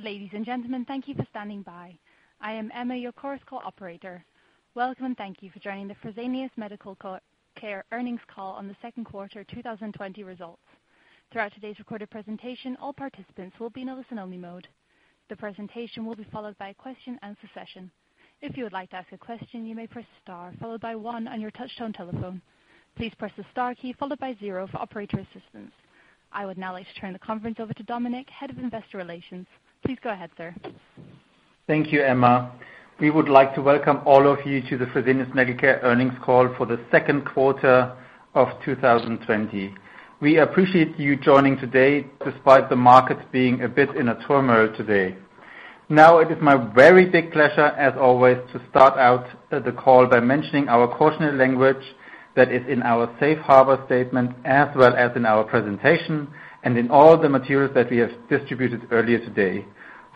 Ladies and gentlemen, thank you for standing by. I am Emma, your Chorus Call Operator. Welcome, and thank you for joining the Fresenius Medical Care earnings call on the second quarter 2020 results. Throughout today's recorded presentation, all participants will be in listen-only mode. The presentation will be followed by a question-and-answer session. If you would like to ask a question, you may press star, followed by one on your touchtone telephone. Please press the star key followed by zero for operator assistance. I would now like to turn the conference over to Dominik, Head of Investor Relations. Please go ahead, sir. Thank you, Emma. We would like to welcome all of you to the Fresenius Medical Care earnings call for the second quarter of 2020. We appreciate you joining today despite the markets being a bit in a turmoil today. Now, it is my very big pleasure, as always, to start out the call by mentioning our cautionary language that is in our safe harbor statement, as well as in our presentation and in all the materials that we have distributed earlier today.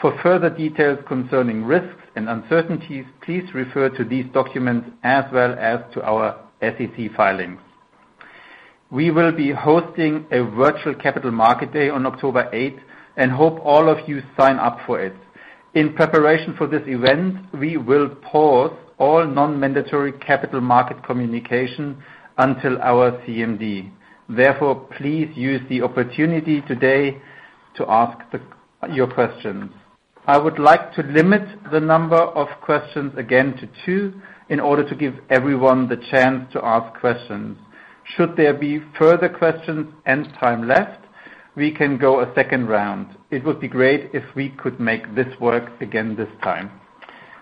For further details concerning risks and uncertainties, please refer to these documents as well as to our SEC filings. We will be hosting a virtual capital market day on October 8th and hope all of you sign up for it. In preparation for this event, we will pause all non-mandatory capital market communication until our CMD. Please use the opportunity today to ask your questions. I would like to limit the number of questions again to two, in order to give everyone the chance to ask questions. Should there be further questions and time left, we can go a second round. It would be great if we could make this work again this time.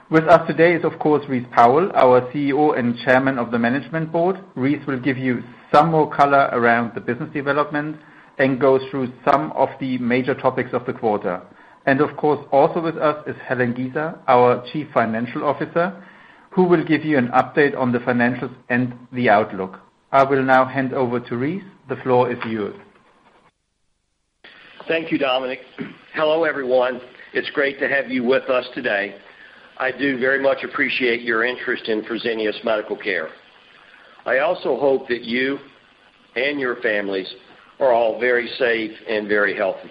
With us today is, of course, Rice Powell, our CEO and Chairman of the Management Board. Rice will give you some more color around the business development and go through some of the major topics of the quarter. Of course, also with us is Helen Giza, our Chief Financial Officer, who will give you an update on the financials and the outlook. I will now hand over to Rice. The floor is yours. Thank you, Dominik. Hello, everyone. It's great to have you with us today. I do very much appreciate your interest in Fresenius Medical Care. I also hope that you and your families are all very safe and very healthy.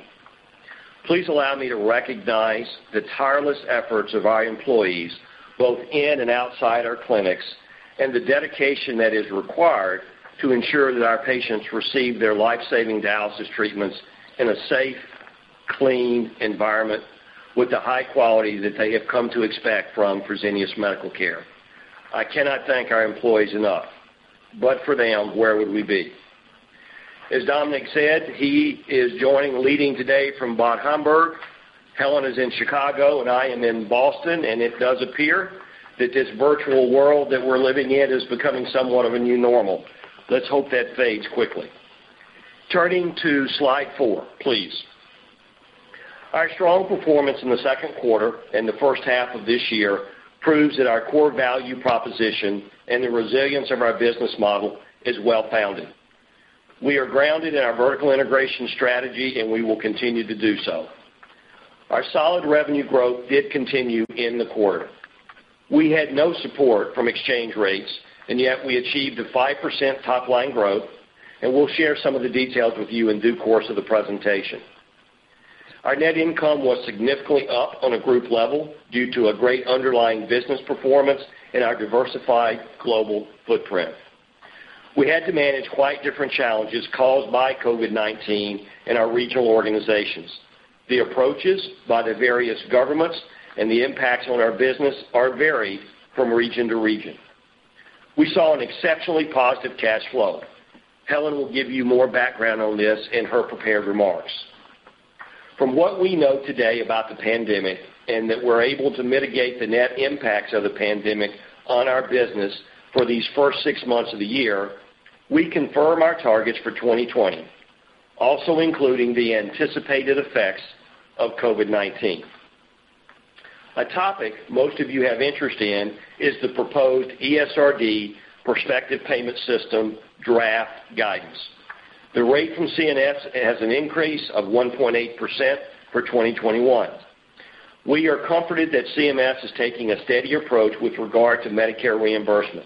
Please allow me to recognize the tireless efforts of our employees, both in and outside our clinics, and the dedication that is required to ensure that our patients receive their life-saving dialysis treatments in a safe, clean environment with the high quality that they have come to expect from Fresenius Medical Care. I cannot thank our employees enough. For them, where would we be? As Dominik said, he is joining, leading today from Bad Homburg. Helen is in Chicago and I am in Boston, and it does appear that this virtual world that we're living in is becoming somewhat of a new normal. Let's hope that fades quickly. Turning to slide four, please. Our strong performance in the second quarter and the first half of this year proves that our core value proposition and the resilience of our business model is well-founded. We are grounded in our vertical integration strategy, and we will continue to do so. Our solid revenue growth did continue in the quarter. We had no support from exchange rates, and yet we achieved a 5% top-line growth, and we'll share some of the details with you in due course of the presentation. Our net income was significantly up on a group level due to a great underlying business performance in our diversified global footprint. We had to manage quite different challenges caused by COVID-19 in our regional organizations. The approaches by the various governments and the impacts on our business are varied from region to region. We saw an exceptionally positive cash flow. Helen will give you more background on this in her prepared remarks. From what we know today about the pandemic, and that we're able to mitigate the net impacts of the pandemic on our business for these first six months of the year, we confirm our targets for 2020, also including the anticipated effects of COVID-19. A topic most of you have interest in is the proposed ESRD prospective payment system draft guidance. The rate from CMS has an increase of 1.8% for 2021. We are comforted that CMS is taking a steady approach with regard to Medicare reimbursement,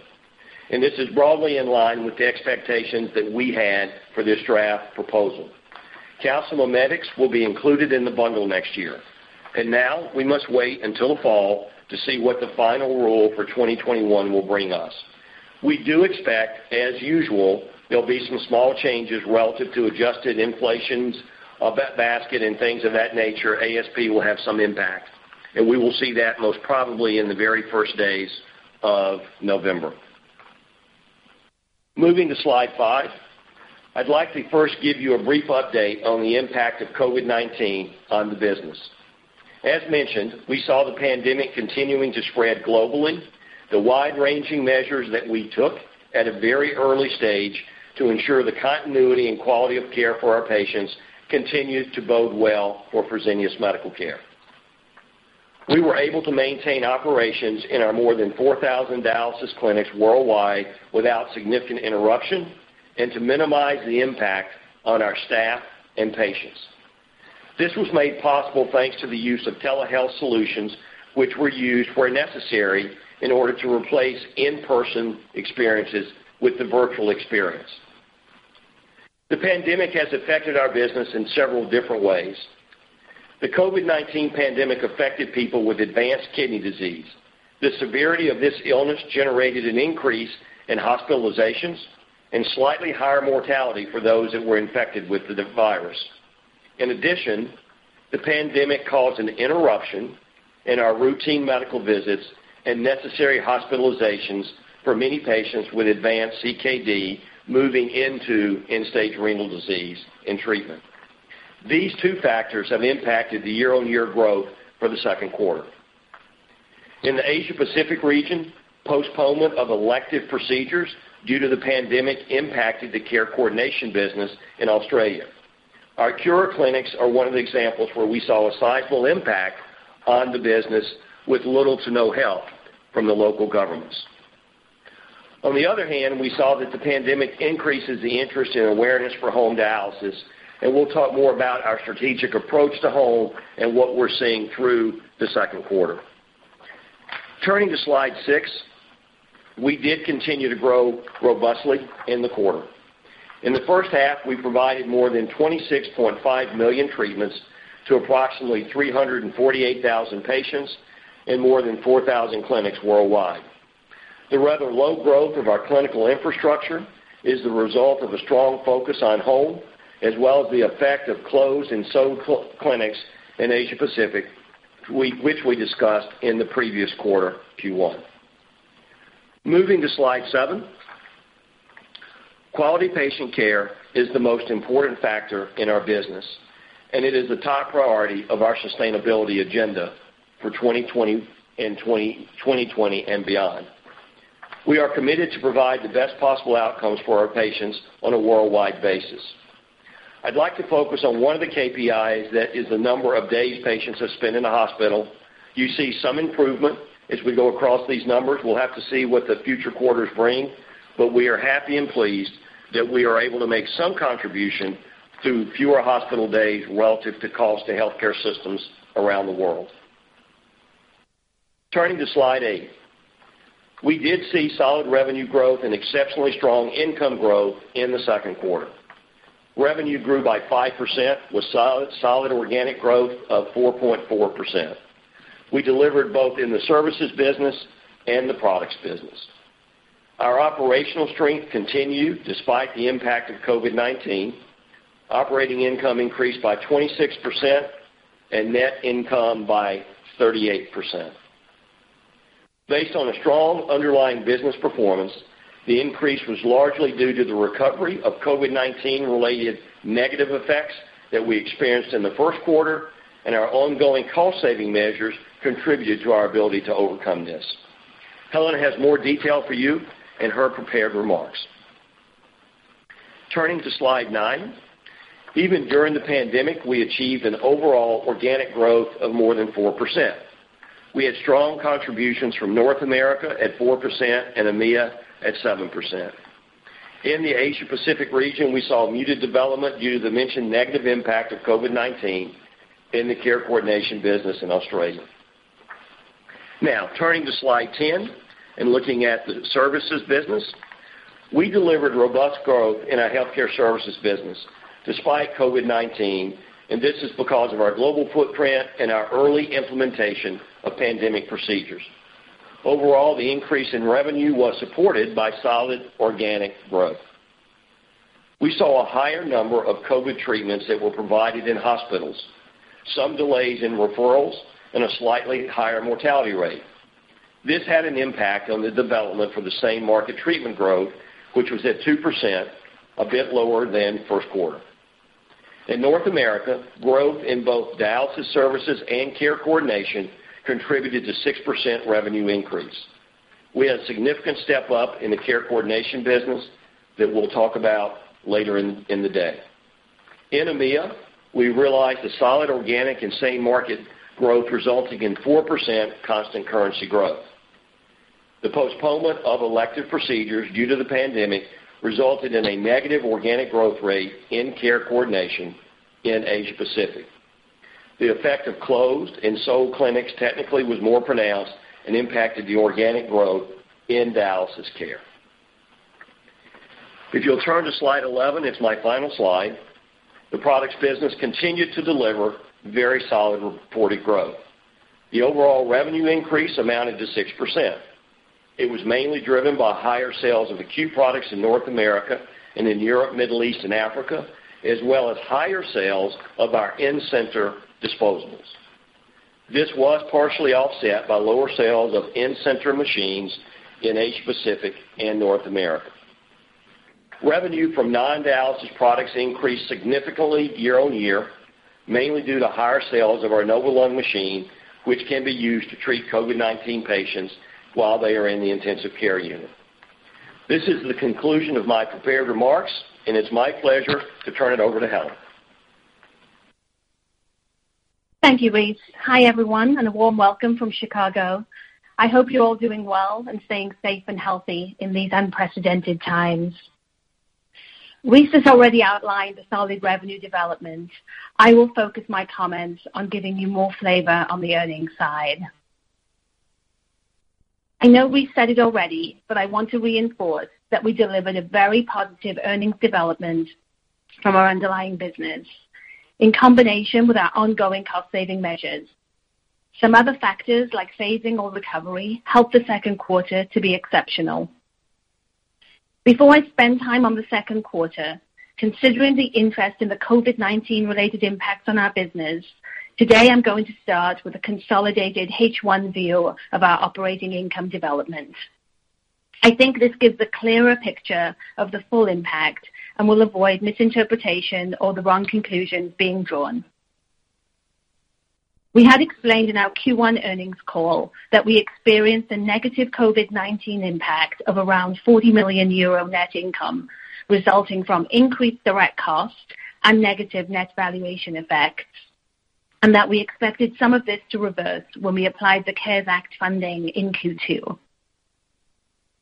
and this is broadly in line with the expectations that we had for this draft proposal. Calcimimetics will be included in the bundle next year. Now we must wait until fall to see what the final rule for 2021 will bring us. We do expect, as usual, there will be some small changes relative to adjusted inflations of that basket and things of that nature. ASP will have some impact, and we will see that most probably in the very first days of November. Moving to slide five. I'd like to first give you a brief update on the impact of COVID-19 on the business. As mentioned, we saw the pandemic continuing to spread globally. The wide-ranging measures that we took at a very early stage to ensure the continuity and quality of care for our patients continued to bode well for Fresenius Medical Care. We were able to maintain operations in our more than 4,000 dialysis clinics worldwide without significant interruption and to minimize the impact on our staff and patients. This was made possible thanks to the use of telehealth solutions, which were used where necessary in order to replace in-person experiences with the virtual experience. The pandemic has affected our business in several different ways. The COVID-19 pandemic affected people with advanced kidney disease. The severity of this illness generated an increase in hospitalizations and slightly higher mortality for those that were infected with the virus. In addition, the pandemic caused an interruption in our routine medical visits and necessary hospitalizations for many patients with advanced CKD moving into end-stage renal disease and treatment. These two factors have impacted the year-on-year growth for the second quarter. In the Asia-Pacific region, postponement of elective procedures due to the pandemic impacted the care coordination business in Australia. Our Cura clinics are one of the examples where we saw a sizable impact on the business with little to no help from the local governments. On the other hand, we saw that the pandemic increases the interest and awareness for home dialysis, and we'll talk more about our strategic approach to home and what we're seeing through the second quarter. Turning to slide six, we did continue to grow robustly in the quarter. In the first half, we provided more than 26.5 million treatments to approximately 348,000 patients in more than 4,000 clinics worldwide. The rather low growth of our clinical infrastructure is the result of a strong focus on home, as well as the effect of closed and sold clinics in Asia-Pacific, which we discussed in the previous quarter, Q1. Moving to slide seven. Quality patient care is the most important factor in our business, and it is the top priority of our sustainability agenda for 2020 and beyond. We are committed to provide the best possible outcomes for our patients on a worldwide basis. I'd like to focus on one of the KPIs that is the number of days patients have spent in the hospital. You see some improvement as we go across these numbers. We'll have to see what the future quarters bring, but we are happy and pleased that we are able to make some contribution through fewer hospital days relative to costs to healthcare systems around the world. Turning to slide eight. We did see solid revenue growth and exceptionally strong income growth in the second quarter. Revenue grew by 5% with solid organic growth of 4.4%. We delivered both in the services business and the products business. Our operational strength continued despite the impact of COVID-19. Operating income increased by 26% and net income by 38%. Based on a strong underlying business performance, the increase was largely due to the recovery of COVID-19-related negative effects that we experienced in the first quarter, and our ongoing cost-saving measures contributed to our ability to overcome this. Helen has more detail for you in her prepared remarks. Turning to slide nine. Even during the pandemic, we achieved an overall organic growth of more than 4%. We had strong contributions from North America at 4% and EMEA at 7%. In the Asia-Pacific region, we saw muted development due to the mentioned negative impact of COVID-19 in the care coordination business in Australia. Turning to slide 10 and looking at the services business. We delivered robust growth in our healthcare services business despite COVID-19, and this is because of our global footprint and our early implementation of pandemic procedures. Overall, the increase in revenue was supported by solid organic growth. We saw a higher number of COVID treatments that were provided in hospitals, some delays in referrals, and a slightly higher mortality rate. This had an impact on the development for the same market treatment growth, which was at 2%, a bit lower than first quarter. In North America, growth in both dialysis services and care coordination contributed to 6% revenue increase. We had a significant step up in the care coordination business that we'll talk about later in the day. In EMEA, we realized a solid organic and same market growth resulting in 4% constant currency growth. The postponement of elective procedures due to the pandemic resulted in a negative organic growth rate in care coordination in Asia-Pacific. The effect of closed and sold clinics technically was more pronounced and impacted the organic growth in dialysis care. If you'll turn to slide 11, it's my final slide. The products business continued to deliver very solid reported growth. The overall revenue increase amounted to 6%. It was mainly driven by higher sales of acute products in North America and in Europe, Middle East, and Africa, as well as higher sales of our in-center disposables. This was partially offset by lower sales of in-center machines in Asia-Pacific and North America. Revenue from non-dialysis products increased significantly year-on-year, mainly due to higher sales of our Novalung machine, which can be used to treat COVID-19 patients while they are in the intensive care unit. This is the conclusion of my prepared remarks, and it's my pleasure to turn it over to Helen. Thank you, Rice. Hi, everyone, and a warm welcome from Chicago. I hope you're all doing well and staying safe and healthy in these unprecedented time s. Rice has already outlined the solid revenue development. I will focus my comments on giving you more flavor on the earnings side. I know we said it already, but I want to reinforce that we delivered a very positive earnings development from our underlying business in combination with our ongoing cost saving measures. Some other factors like phasing or recovery helped the second quarter to be exceptional. Before I spend time on the second quarter, considering the interest in the COVID-19 related impact on our business, today I'm going to start with a consolidated H1 view of our operating income development. I think this gives a clearer picture of the full impact and will avoid misinterpretation or the wrong conclusions being drawn. We had explained in our Q1 earnings call that we experienced a negative COVID-19 impact of around 40 million euro net income resulting from increased direct costs and negative net valuation effects, and that we expected some of this to reverse when we applied the CARES Act funding in Q2.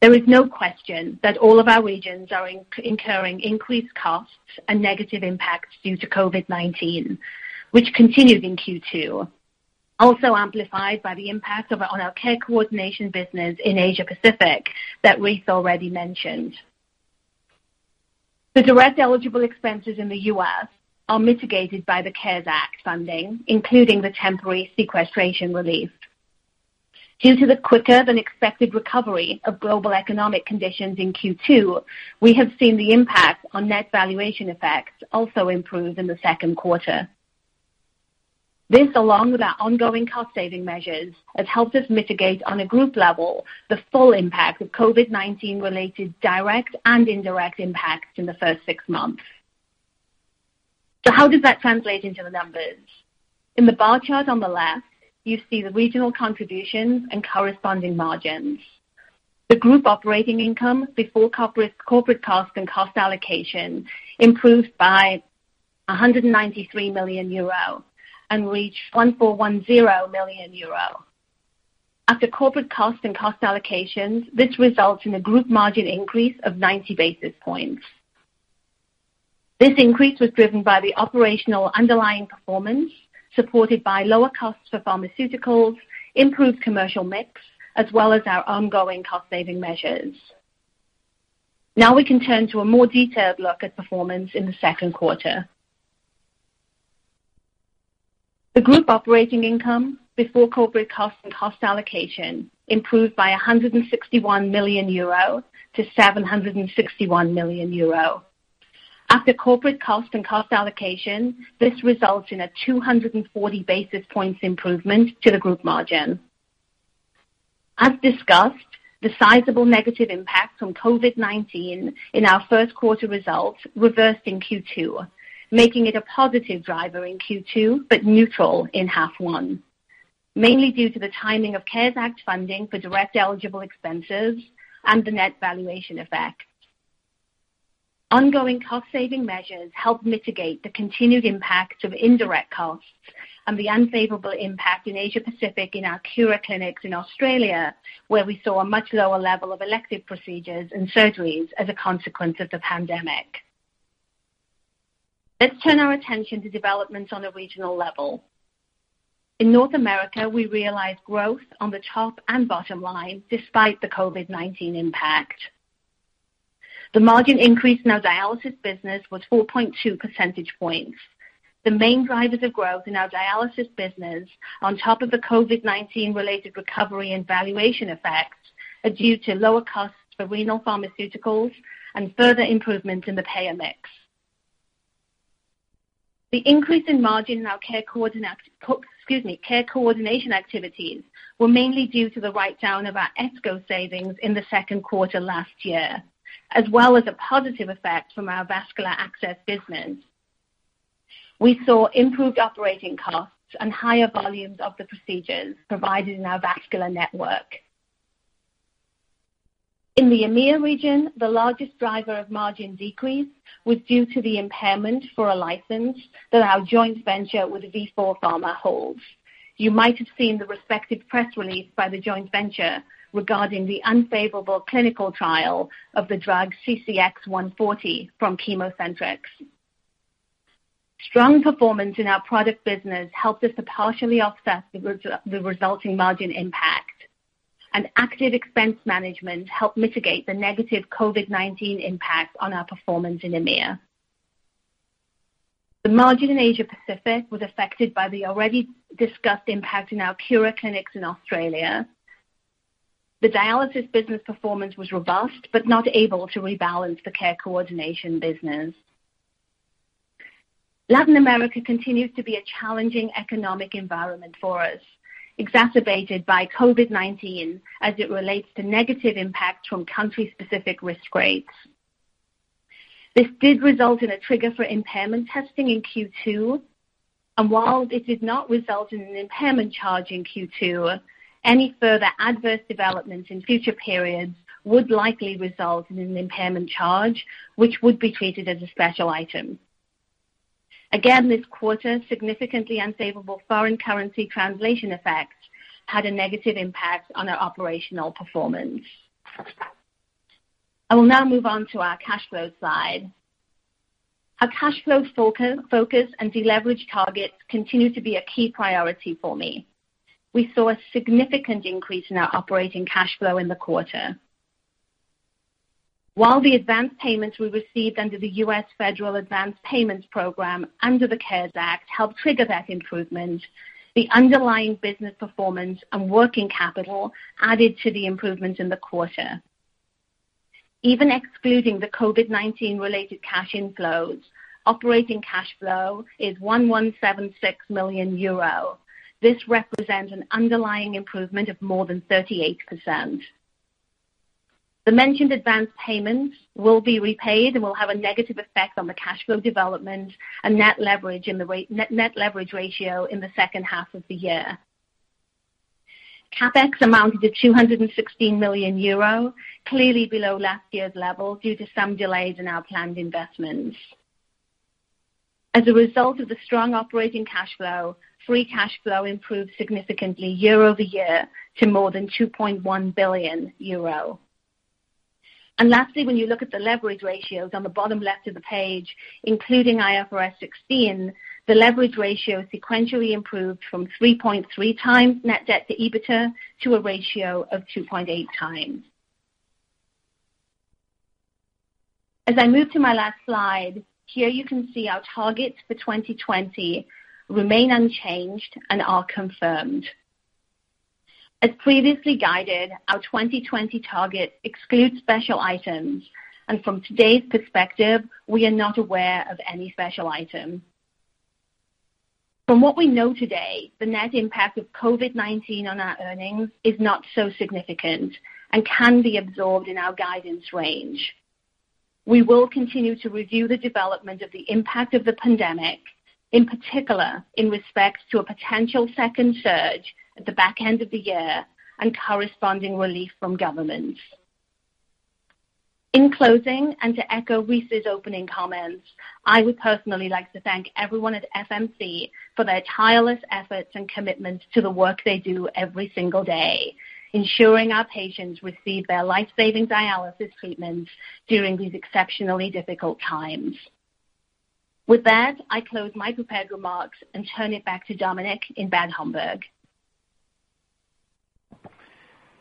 There is no question that all of our regions are incurring increased costs and negative impacts due to COVID-19, which continued in Q2. Also amplified by the impact on our care coordination business in Asia Pacific that Rice already mentioned. The direct eligible expenses in the U.S. are mitigated by the CARES Act funding, including the temporary sequestration relief. Due to the quicker than expected recovery of global economic conditions in Q2, we have seen the impact on net valuation effects also improve in the second quarter. This, along with our ongoing cost saving measures, has helped us mitigate on a group level the full impact of COVID-19 related direct and indirect impacts in the first six months. How does that translate into the numbers? In the bar chart on the left, you see the regional contributions and corresponding margins. The group operating income before corporate costs and cost allocation improved by 193 million euro and reached 1,410 million euro. After corporate costs and cost allocations, this results in a group margin increase of 90 basis points. This increase was driven by the operational underlying performance, supported by lower costs for pharmaceuticals, improved commercial mix, as well as our ongoing cost saving measures. We can turn to a more detailed look at performance in the second quarter. The group operating income before corporate costs and cost allocation improved by 161 million euro to 761 million euro. After corporate costs and cost allocation, this results in a 240 basis points improvement to the group margin. As discussed, the sizable negative impact from COVID-19 in our first quarter results reversed in Q2, making it a positive driver in Q2, but neutral in half one, mainly due to the timing of CARES Act funding for direct eligible expenses and the net valuation effect. Ongoing cost saving measures helped mitigate the continued impact of indirect costs and the unfavorable impact in Asia Pacific in our Cura clinics in Australia, where we saw a much lower level of elective procedures and surgeries as a consequence of the pandemic. Let's turn our attention to developments on a regional level. In North America, we realized growth on the top and bottom line despite the COVID-19 impact. The margin increase in our dialysis business was 4.2 percentage points. The main drivers of growth in our dialysis business, on top of the COVID-19 related recovery and valuation effects, are due to lower costs for renal pharmaceuticals and further improvements in the payer mix. The increase in margin in our care coordination activities were mainly due to the write-down of our ESCO savings in the second quarter last year, as well as a positive effect from our vascular access business. We saw improved operating costs and higher volumes of the procedures provided in our vascular network. In the EMEIA region, the largest driver of margin decrease was due to the impairment for a license that our joint venture with Vifor Pharma holds. You might have seen the respective press release by the joint venture regarding the unfavorable clinical trial of the drug CCX140 from ChemoCentryx. Strong performance in our product business helped us to partially offset the resulting margin impact. Active expense management helped mitigate the negative COVID-19 impact on our performance in EMEIA. The margin in Asia Pacific was affected by the already discussed impact in our Cura clinics in Australia. The dialysis business performance was robust, but not able to rebalance the care coordination business. Latin America continues to be a challenging economic environment for us, exacerbated by COVID-19 as it relates to negative impacts from country-specific risk grades. This did result in a trigger for impairment testing in Q2, and while this did not result in an impairment charge in Q2, any further adverse developments in future periods would likely result in an impairment charge, which would be treated as a special item. Again, this quarter, significantly unfavorable foreign currency translation effects had a negative impact on our operational performance. I will now move on to our cash flow slide. Our cash flow focus and de-leverage targets continue to be a key priority for me. We saw a significant increase in our operating cash flow in the quarter. While the advanced payments we received under the US Federal Advanced Payments Program under the CARES Act helped trigger that improvement, the underlying business performance and working capital added to the improvement in the quarter. Even excluding the COVID-19 related cash inflows, operating cash flow is 1,176 million euro. This represents an underlying improvement of more than 38%. The mentioned advanced payments will be repaid and will have a negative effect on the cash flow development and net leverage ratio in the second half of the year. CapEx amounted to 216 million euro, clearly below last year's level due to some delays in our planned investments. As a result of the strong operating cash flow, free cash flow improved significantly year-over-year to more than 2.1 billion euro. Lastly, when you look at the leverage ratios on the bottom left of the page, including IFRS 16, the leverage ratio sequentially improved from 3.3x net debt to EBITDA to a ratio of 2.8x. As I move to my last slide, here you can see our targets for 2020 remain unchanged and are confirmed. As previously guided, our 2020 targets exclude special items, and from today's perspective, we are not aware of any special item. From what we know today, the net impact of COVID-19 on our earnings is not so significant and can be absorbed in our guidance range. We will continue to review the development of the impact of the pandemic, in particular, in respect to a potential second surge at the back end of the year and corresponding relief from government. In closing, and to echo Rice's opening comments, I would personally like to thank everyone at FMC for their tireless efforts and commitment to the work they do every single day, ensuring our patients receive their life-saving dialysis treatments during these exceptionally difficult times. With that, I close my prepared remarks and turn it back to Dominik in Bad Homburg.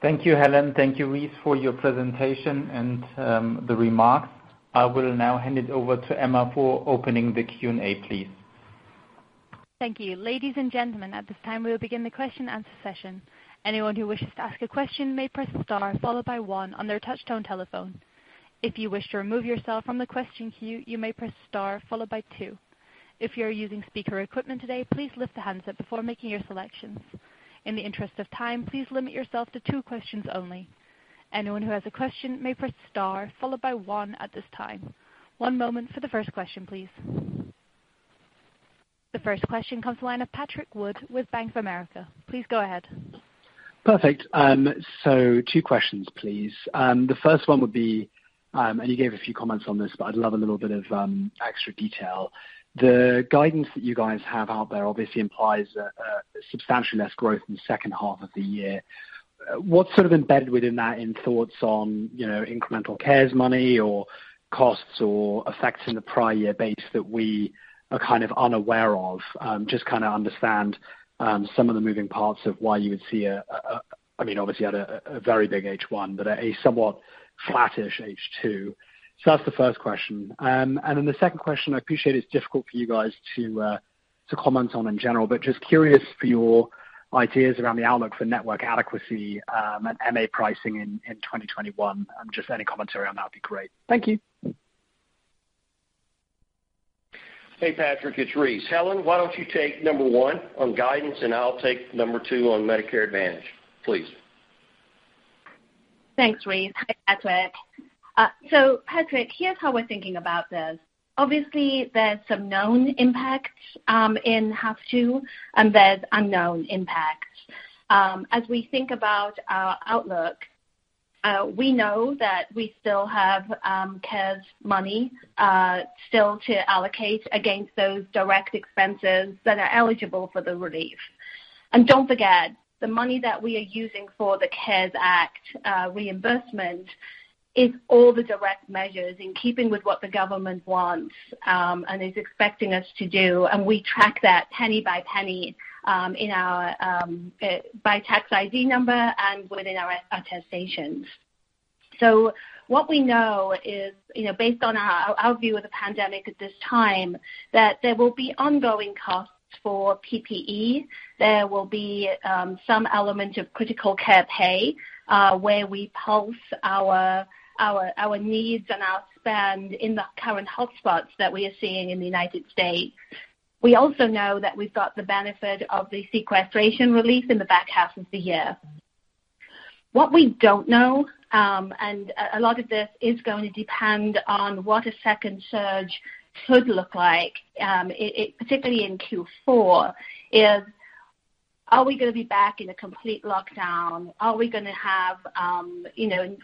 Thank you, Helen. Thank you, Rice, for your presentation and the remarks. I will now hand it over to Emma for opening the Q&A, please. Thank you. Ladies and gentlemen, at this time, we will begin the question-and-answer session. Anyone who wishes to ask a question may press star followed by one on their touch-tone telephone. If you wish to remove yourself from the question queue, you may press star followed by two. If you are using speaker equipment today, please lift the handset before making your selections. In the interest of time, please limit yourself to two questions only. Anyone who has a question may press star followed by one at this time. One moment for the first question, please. The first question comes the line of Patrick Wood with Bank of America. Please go ahead. Perfect. Two questions, please. The first one would be, and you gave a few comments on this, but I'd love a little bit of extra detail. The guidance that you guys have out there obviously implies a substantially less growth in the second half of the year. What's sort of embedded within that in thoughts on incremental CARES money or costs or effects in the prior year base that we are kind of unaware of? Just kind of understand some of the moving parts of why you would see, obviously you had a very big H1, but a somewhat flattish H2. That's the first question. The second question. I appreciate it's difficult for you guys to comment on in general, but just curious for your ideas around the outlook for network adequacy and MA pricing in 2021. Just any commentary on that would be great. Thank you. Hey, Patrick, it's Rice. Helen, why don't you take number one on guidance, and I'll take number two on Medicare Advantage, please. Thanks, Rice. Hi, Patrick. Patrick, here's how we're thinking about this. Obviously, there's some known impacts in half two, and there's unknown impacts. As we think about our outlook, we know that we still have CARES money still to allocate against those direct expenses that are eligible for the relief. Don't forget, the money that we are using for the CARES Act reimbursement is all the direct measures in keeping with what the government wants and is expecting us to do, and we track that penny by penny by tax ID number and within our attestations. What we know is, based on our view of the pandemic at this time, that there will be ongoing costs for PPE. There will be some element of critical care pay, where we pulse our needs and our spend in the current hotspots that we are seeing in the United States. We also know that we've got the benefit of the sequestration relief in the back half of the year. What we don't know, a lot of this is going to depend on what a second surge could look like, particularly in Q4 is, are we going to be back in a complete lockdown? Are we going to have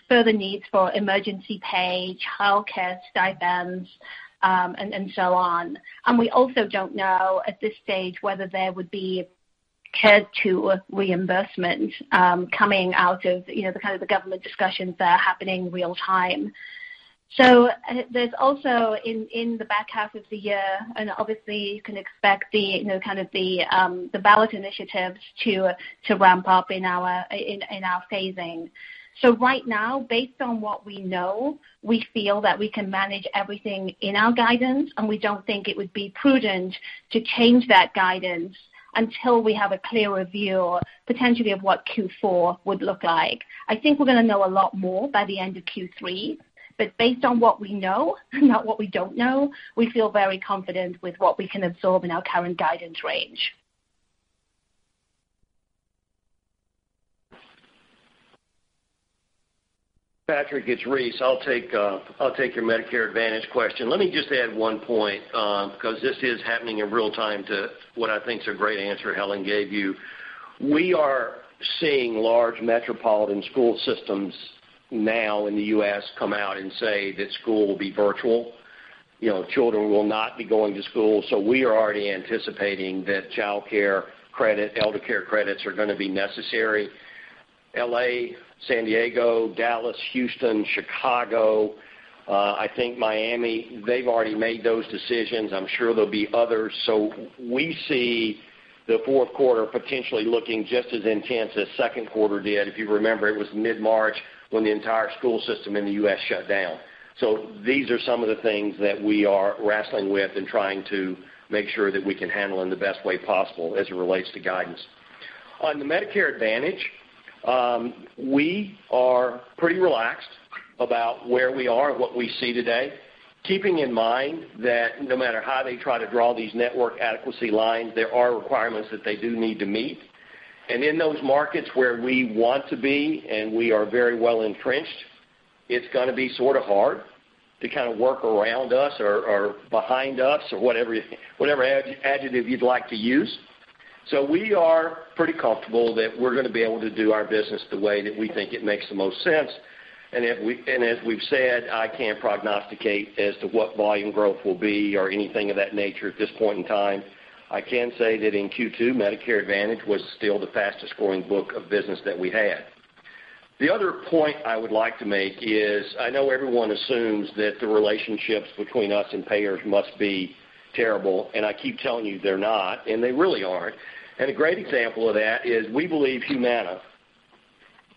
further needs for emergency pay, childcare stipends, and then so on? We also don't know at this stage whether there would be CARES Act reimbursement coming out of the government discussions that are happening real time. There's also, in the back half of the year, and obviously you can expect the ballot initiatives to ramp up in our phasing. Right now, based on what we know, we feel that we can manage everything in our guidance, and we don't think it would be prudent to change that guidance until we have a clearer view, potentially of what Q4 would look like. I think we're going to know a lot more by the end of Q3, but based on what we know, not what we don't know, we feel very confident with what we can absorb in our current guidance range. Patrick, it's Rice. I'll take your Medicare Advantage question. Let me just add one point, because this is happening in real time to what I think is a great answer Helen gave you. We are seeing large metropolitan school systems now in the U.S. come out and say that school will be virtual. Children will not be going to school. We are already anticipating that childcare credit, elder care credits are going to be necessary. L.A., San Diego, Dallas, Houston, Chicago, I think Miami, they've already made those decisions. I'm sure there'll be others. We see the fourth quarter potentially looking just as intense as second quarter did. If you remember, it was mid-March when the entire school system in the U.S. shut down. These are some of the things that we are wrestling with and trying to make sure that we can handle in the best way possible as it relates to guidance. On the Medicare Advantage, we are pretty relaxed about where we are and what we see today, keeping in mind that no matter how they try to draw these network adequacy lines, there are requirements that they do need to meet. In those markets where we want to be and we are very well-entrenched, it's going to be sort of hard to work around us or behind us or whatever adjective you'd like to use. We are pretty comfortable that we're going to be able to do our business the way that we think it makes the most sense. As we've said, I can't prognosticate as to what volume growth will be or anything of that nature at this point in time. I can say that in Q2, Medicare Advantage was still the fastest-growing book of business that we had. The other point I would like to make is, I know everyone assumes that the relationships between us and payers must be terrible, and I keep telling you they're not, and they really aren't. A great example of that is we believe Humana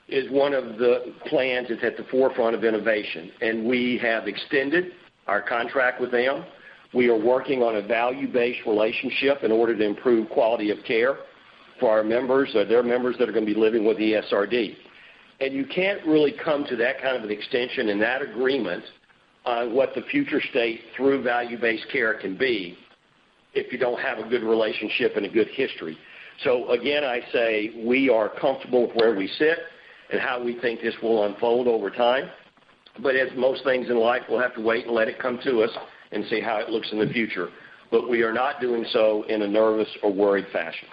is one of the plans that's at the forefront of innovation, and we have extended our contract with them. We are working on a value-based relationship in order to improve quality of care for our members, their members that are going to be living with ESRD. You can't really come to that kind of an extension and that agreement on what the future state through value-based care can be if you don't have a good relationship and a good history. Again, I say we are comfortable with where we sit and how we think this will unfold over time. As most things in life, we'll have to wait and let it come to us and see how it looks in the future. We are not doing so in a nervous or worried fashion.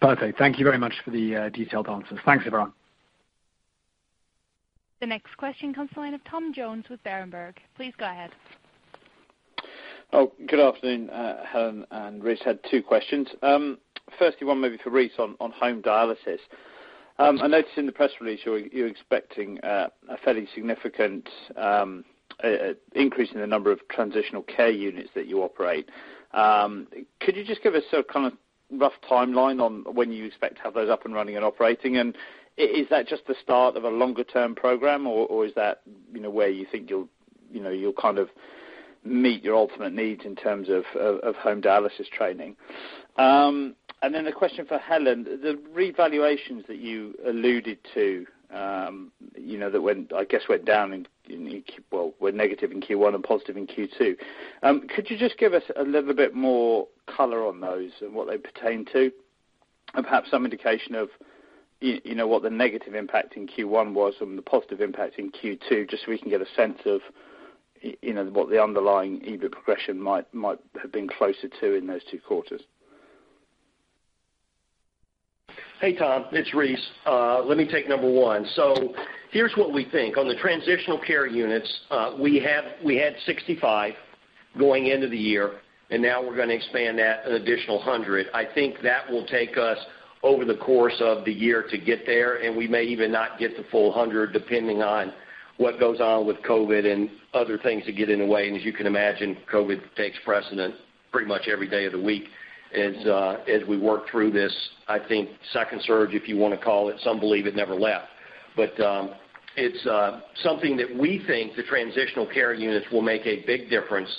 Perfect. Thank you very much for the detailed answers. Thanks, everyone. The next question comes the line of Tom Jones with Berenberg. Please go ahead. Good afternoon, Helen and Rice. I had two questions. Firstly, one maybe for Rice Powell on home dialysis. I noticed in the press release you're expecting a fairly significant increase in the number of transitional care units that you operate. Could you just give us a kind of rough timeline on when you expect to have those up and running and operating? Is that just the start of a longer-term program, or is that where you think you'll meet your ultimate needs in terms of home dialysis training? A question for Helen. The revaluations that you alluded to that I guess were negative in Q1 and positive in Q2. Could you just give us a little bit more color on those and what they pertain to? Perhaps some indication of what the negative impact in Q1 was and the positive impact in Q2, just so we can get a sense of what the underlying EBIT progression might have been closer to in those two quarters. Hey, Tom. It's Rice. Let me take number one. Here's what we think. On the transitional care units, we had 65 going into the year, and now we're going to expand that an additional 100. I think that will take us over the course of the year to get there, and we may even not get the full 100 depending on what goes on with COVID and other things that get in the way. As you can imagine, COVID takes precedent pretty much every day of the week as we work through this, I think, second surge, if you want to call it. Some believe it never left. It's something that we think the transitional care units will make a big difference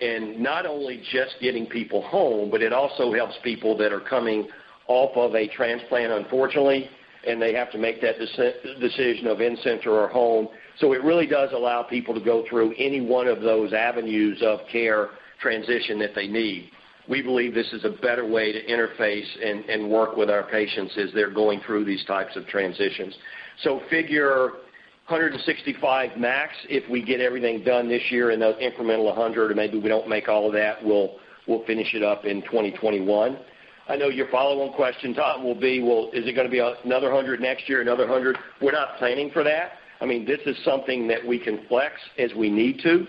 in not only just getting people home, but it also helps people that are coming off of a transplant, unfortunately, and they have to make that decision of in-center or home. It really does allow people to go through any one of those avenues of care transition that they need. We believe this is a better way to interface and work with our patients as they're going through these types of transitions. Figure 165 max if we get everything done this year and those incremental 100, or maybe we don't make all of that, we'll finish it up in 2021. I know your follow-on question, Tom, will be, well, is it going to be another 100 next year, another 100? We're not planning for that. This is something that we can flex as we need to.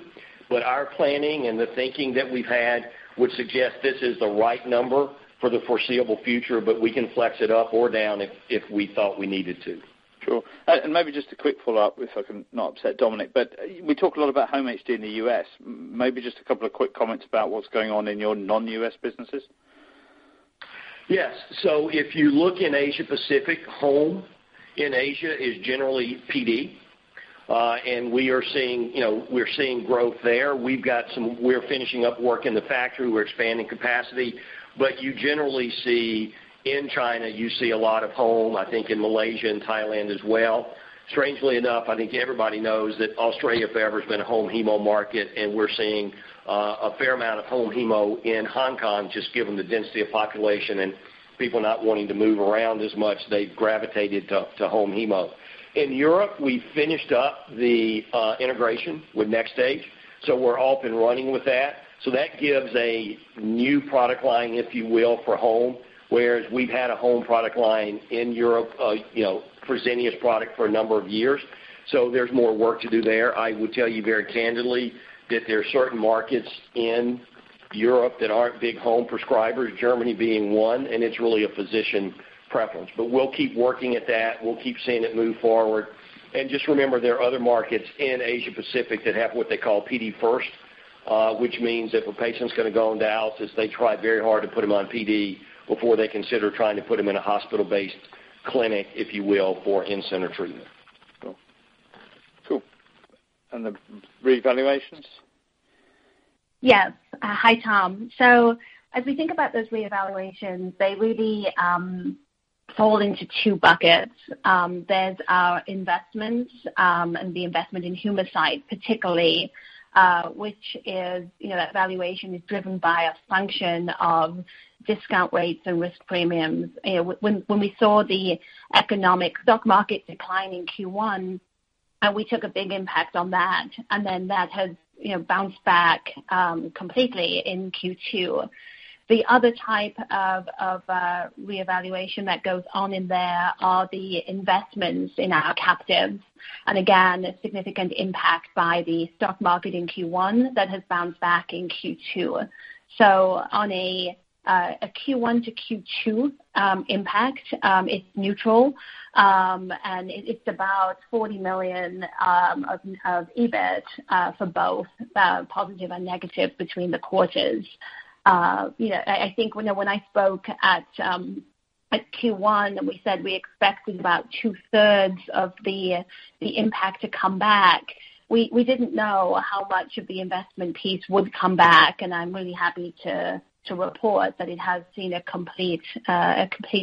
Our planning and the thinking that we've had would suggest this is the right number for the foreseeable future, but we can flex it up or down if we thought we needed to. Sure. Maybe just a quick follow-up, if I can not upset Dominik, but we talk a lot about home HD in the U.S. Maybe just a couple of quick comments about what's going on in your non-U.S. businesses. Yes. If you look in Asia Pacific home in Asia is generally PD. We're seeing growth there. We're finishing up work in the factory. We're expanding capacity. You generally see in China, you see a lot of home, I think, in Malaysia and Thailand as well. Strangely enough, I think everybody knows that Australia has forever been a home hemo market, and we're seeing a fair amount of home hemo in Hong Kong, just given the density of population and people not wanting to move around as much, they've gravitated to home hemo. In Europe, we finished up the integration with NxStage, so we're off and running with that. That gives a new product line, if you will, for home, whereas we've had a home product line in Europe, Fresenius product, for a number of years. There's more work to do there. I will tell you very candidly that there are certain markets in Europe that aren't big home prescribers, Germany being one. It's really a physician preference. We'll keep working at that. We'll keep seeing it move forward. Just remember, there are other markets in Asia Pacific that have what they call PD first, which means if a patient's going to go on dialysis, they try very hard to put them on PD before they consider trying to put them in a hospital-based clinic, if you will, for in-center treatment. Cool. The revaluations? Yes. Hi, Tom. As we think about those revaluations, they really fall into two buckets. There's our investments and the investment in Humacyte particularly, which is that valuation is driven by a function of discount rates and risk premiums. When we saw the economic stock market decline in Q1, and we took a big impact on that, and then that has bounced back completely in Q2. The other type of reevaluation that goes on in there are the investments in our captives. Again, a significant impact by the stock market in Q1 that has bounced back in Q2. On a Q1 to Q2 impact, it's neutral, and it's about 40 million of EBIT for both positive and negative between the quarters. I think when I spoke at Q1 and we said we expected about 2/3 of the impact to come back, we didn't know how much of the investment piece would come back, and I'm really happy to report that it has seen a complete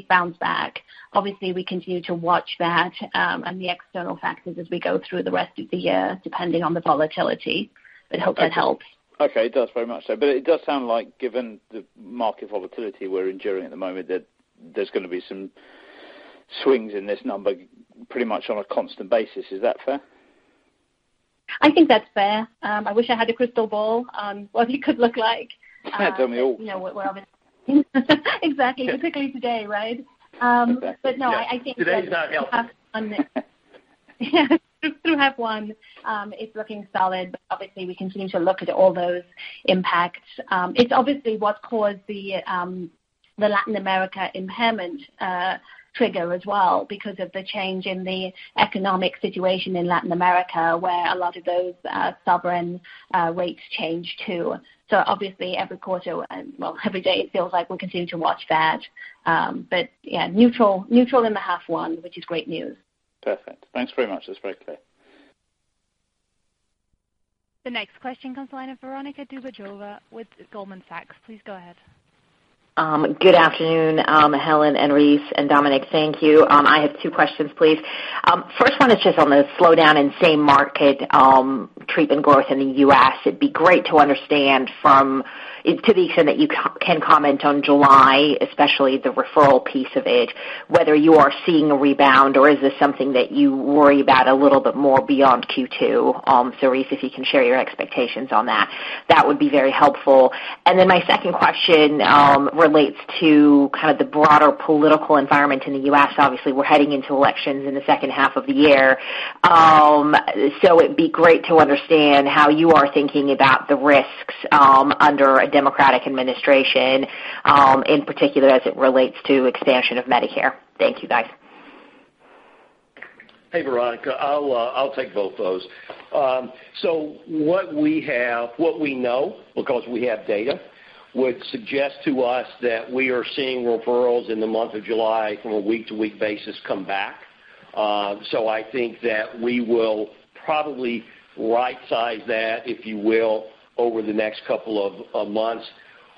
bounce back. Obviously, we continue to watch that and the external factors as we go through the rest of the year, depending on the volatility. I hope that helps. Okay. It does very much so. It does sound like given the market volatility we're enduring at the moment that there's going to be some swings in this number pretty much on a constant basis. Is that fair? I think that's fair. I wish I had a crystal ball on what it could look like. That'd tell me all. Exactly. Particularly today, right? Exactly, yeah. No, I think-- Today's not helpful. We have one. It's looking solid, but obviously, we continue to look at all those impacts. It's obviously what caused the Latin America impairment trigger as well because of the change in the economic situation in Latin America, where a lot of those sovereign rates changed, too. Obviously every quarter, well, every day it feels like we continue to watch that. Yeah, neutral in the half one, which is great news. Perfect. Thanks very much. That's very clear. The next question comes from the line of Veronika Dubajova with Goldman Sachs. Please go ahead. Good afternoon, Helen and Rice and Dominik. Thank you. I have two questions, please. First one is just on the slowdown in same market treatment growth in the U.S. It'd be great to understand from, to the extent that you can comment on July, especially the referral piece of it, whether you are seeing a rebound or is this something that you worry about a little bit more beyond Q2? Rice, if you can share your expectations on that would be very helpful. My second question relates to kind of the broader political environment in the U.S. Obviously, we're heading into elections in the second half of the year. It'd be great to understand how you are thinking about the risks under a Democratic administration, in particular as it relates to expansion of Medicare. Thank you, guys. Hey, Veronika. I'll take both those. What we know, because we have data, would suggest to us that we are seeing referrals in the month of July from a week-to-week basis come back. I think that we will probably right-size that, if you will, over the next couple of months.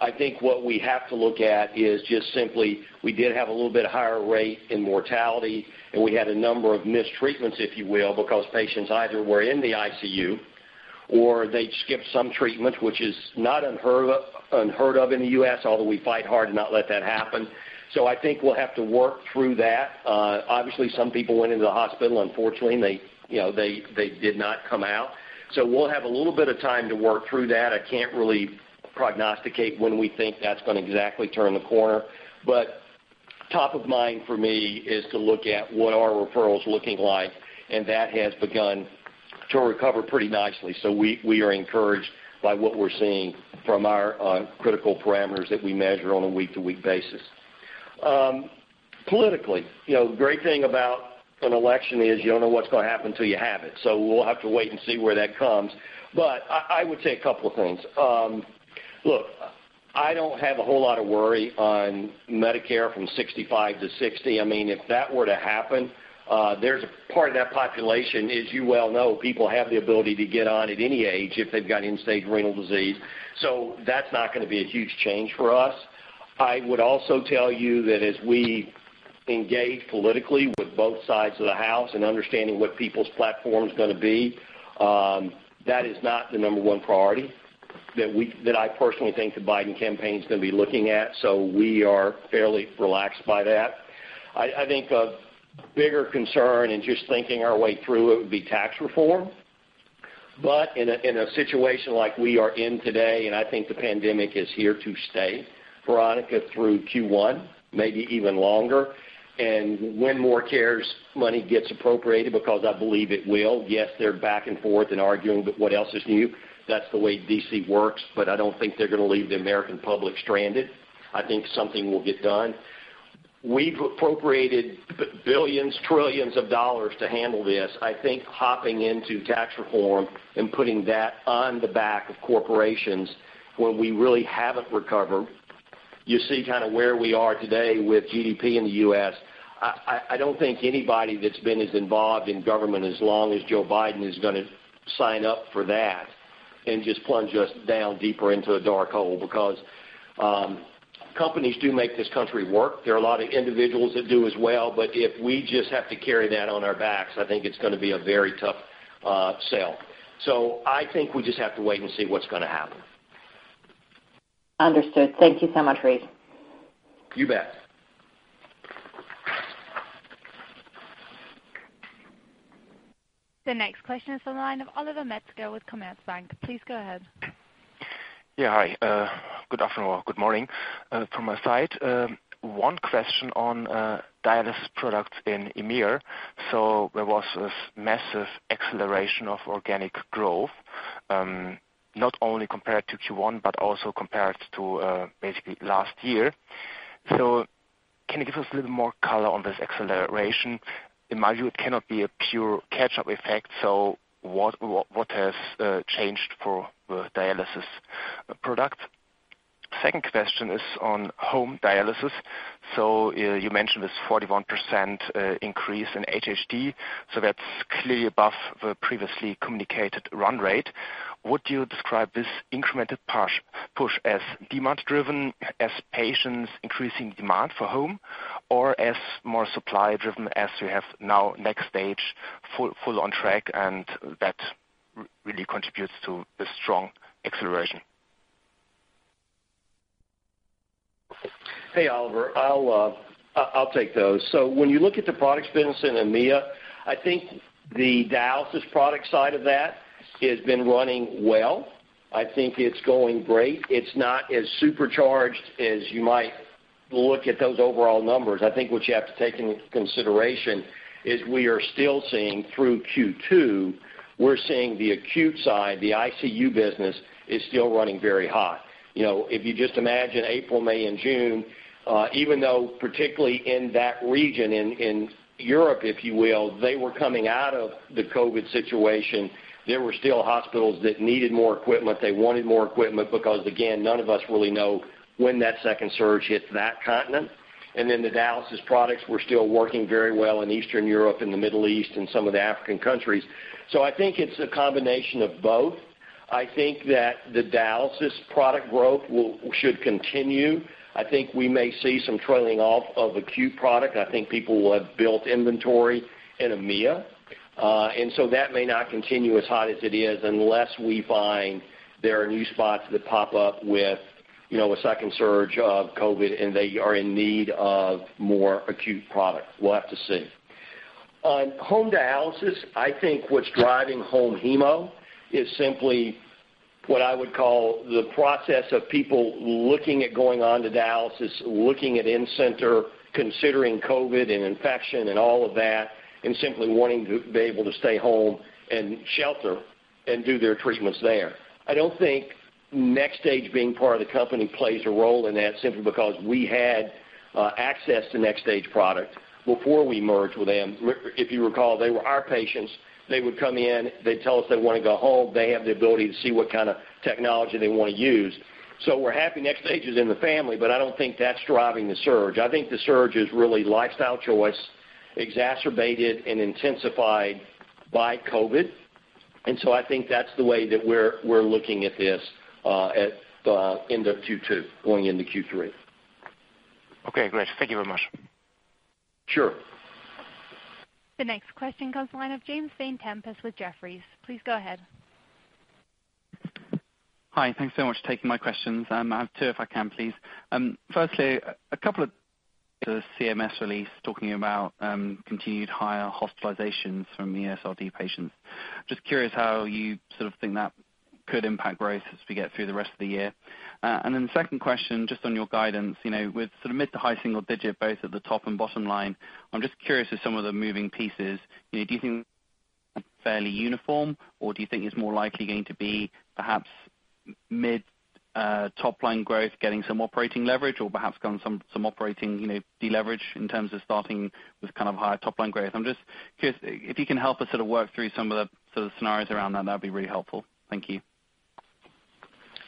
I think what we have to look at is just simply we did have a little bit higher rate in mortality, and we had a number of mistreatments, if you will, because patients either were in the ICU or they skipped some treatment, which is not unheard of in the U.S., although we fight hard to not let that happen. I think we'll have to work through that. Obviously, some people went into the hospital, unfortunately, and they did not come out. We'll have a little bit of time to work through that. I can't really prognosticate when we think that's going to exactly turn the corner. Top of mind for me is to look at what are our referrals looking like, and that has begun to recover pretty nicely. We are encouraged by what we're seeing from our critical parameters that we measure on a week-to-week basis. Politically, great thing about an election is you don't know what's going to happen till you have it. We'll have to wait and see where that comes. I would say a couple of things. Look, I don't have a whole lot of worry on Medicare from 65 to 60. If that were to happen, there's a part of that population, as you well know, people have the ability to get on at any age if they've got end-stage renal disease. That's not going to be a huge change for us. I would also tell you that as we engage politically with both sides of the house and understanding what people's platform is going to be, that is not the number one priority that I personally think the Biden campaign is going to be looking at. We are fairly relaxed by that. I think a bigger concern in just thinking our way through it would be tax reform. In a situation like we are in today, and I think the pandemic is here to stay, Veronika, through Q1, maybe even longer, and when more CARES money gets appropriated, because I believe it will. Yes, they're back and forth and arguing, but what else is new? That's the way D.C. works, but I don't think they're going to leave the American public stranded. I think something will get done. We've appropriated billions, trillions of dollars to handle this. I think hopping into tax reform and putting that on the back of corporations when we really haven't recovered, you see kind of where we are today with GDP in the U.S. I don't think anybody that's been as involved in government as long as Joe Biden is going to sign up for that and just plunge us down deeper into a dark hole because companies do make this country work. There are a lot of individuals that do as well, but if we just have to carry that on our backs, I think it's going to be a very tough sale. I think we just have to wait and see what's going to happen. Understood. Thank you so much, Rice. You bet. The next question is on the line of Oliver Metzger with Commerzbank. Please go ahead. Hi. Good afternoon or good morning. From my side, one question on dialysis product in EMEA. There was this massive acceleration of organic growth, not only compared to Q1, but also compared to basically last year. Can you give us a little more color on this acceleration? In my view, it cannot be a pure catch-up effect. What has changed for the dialysis product? Second question is on home dialysis. You mentioned this 41% increase in HHD, so that's clearly above the previously communicated run rate. Would you describe this incremented push as demand-driven, as patients increasing demand for home, or as more supply-driven, as you have now NxStage full on track, and that really contributes to the strong acceleration? Hey, Oliver, I'll take those. When you look at the products business in EMEA, I think the dialysis product side of that has been running well. I think it's going great. It's not as supercharged as you might look at those overall numbers. I think what you have to take into consideration is we are still seeing through Q2, we're seeing the acute side, the ICU business is still running very hot. If you just imagine April, May, and June, even though particularly in that region in Europe, if you will, they were coming out of the COVID situation, there were still hospitals that needed more equipment. They wanted more equipment because, again, none of us really know when that second surge hit that continent. The dialysis products were still working very well in Eastern Europe and the Middle East and some of the African countries. I think it's a combination of both. I think that the dialysis product growth should continue. I think we may see some trailing off of acute product. I think people will have built inventory in EMEA. That may not continue as hot as it is unless we find there are new spots that pop up with a second surge of COVID and they are in need of more acute product. We'll have to see. On home dialysis, I think what's driving home hemo is simply what I would call the process of people looking at going on to dialysis, looking at in-center, considering COVID and infection and all of that, and simply wanting to be able to stay home and shelter and do their treatments there. I don't think NxStage being part of the company plays a role in that, simply because we had access to NxStage product before we merged with them. If you recall, they were our patients. They would come in, they'd tell us they want to go home. They have the ability to see what kind of technology they want to use. We're happy NxStage is in the family, but I don't think that's driving the surge. I think the surge is really lifestyle choice, exacerbated and intensified by COVID. I think that's the way that we're looking at this at end of Q2, going into Q3. Okay, great. Thank you very much. Sure. The next question comes the line of James Vane-Tempest with Jefferies. Please go ahead. Hi. Thanks so much for taking my questions. I have two, if I can, please. Firstly, a couple of CMS release talking about continued higher hospitalizations from the ESRD patients. Just curious how you sort of think that could impact growth as we get through the rest of the year. The second question, just on your guidance. With sort of mid to high single-digit, both at the top and bottom line, I'm just curious of some of the moving pieces. Do you think fairly uniform or do you think it's more likely going to be perhaps mid-top-line growth, getting some operating leverage or perhaps getting some operating de-leverage in terms of starting with kind of higher top-line growth? I'm just curious if you can help us sort of work through some of the sort of scenarios around that'd be really helpful. Thank you.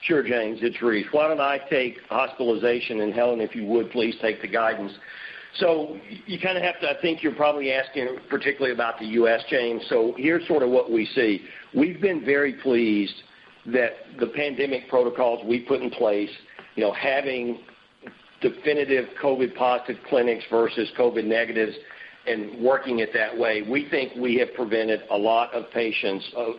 Sure, James, it's Rice. Why don't I take hospitalization, and Helen, if you would please take the guidance. You kind of have to, I think you're probably asking particularly about the U.S., James. Here's sort of what we see. We've been very pleased that the pandemic protocols we put in place, having definitive COVID positive clinics versus COVID negatives and working it that way, we think we have prevented a lot of patients of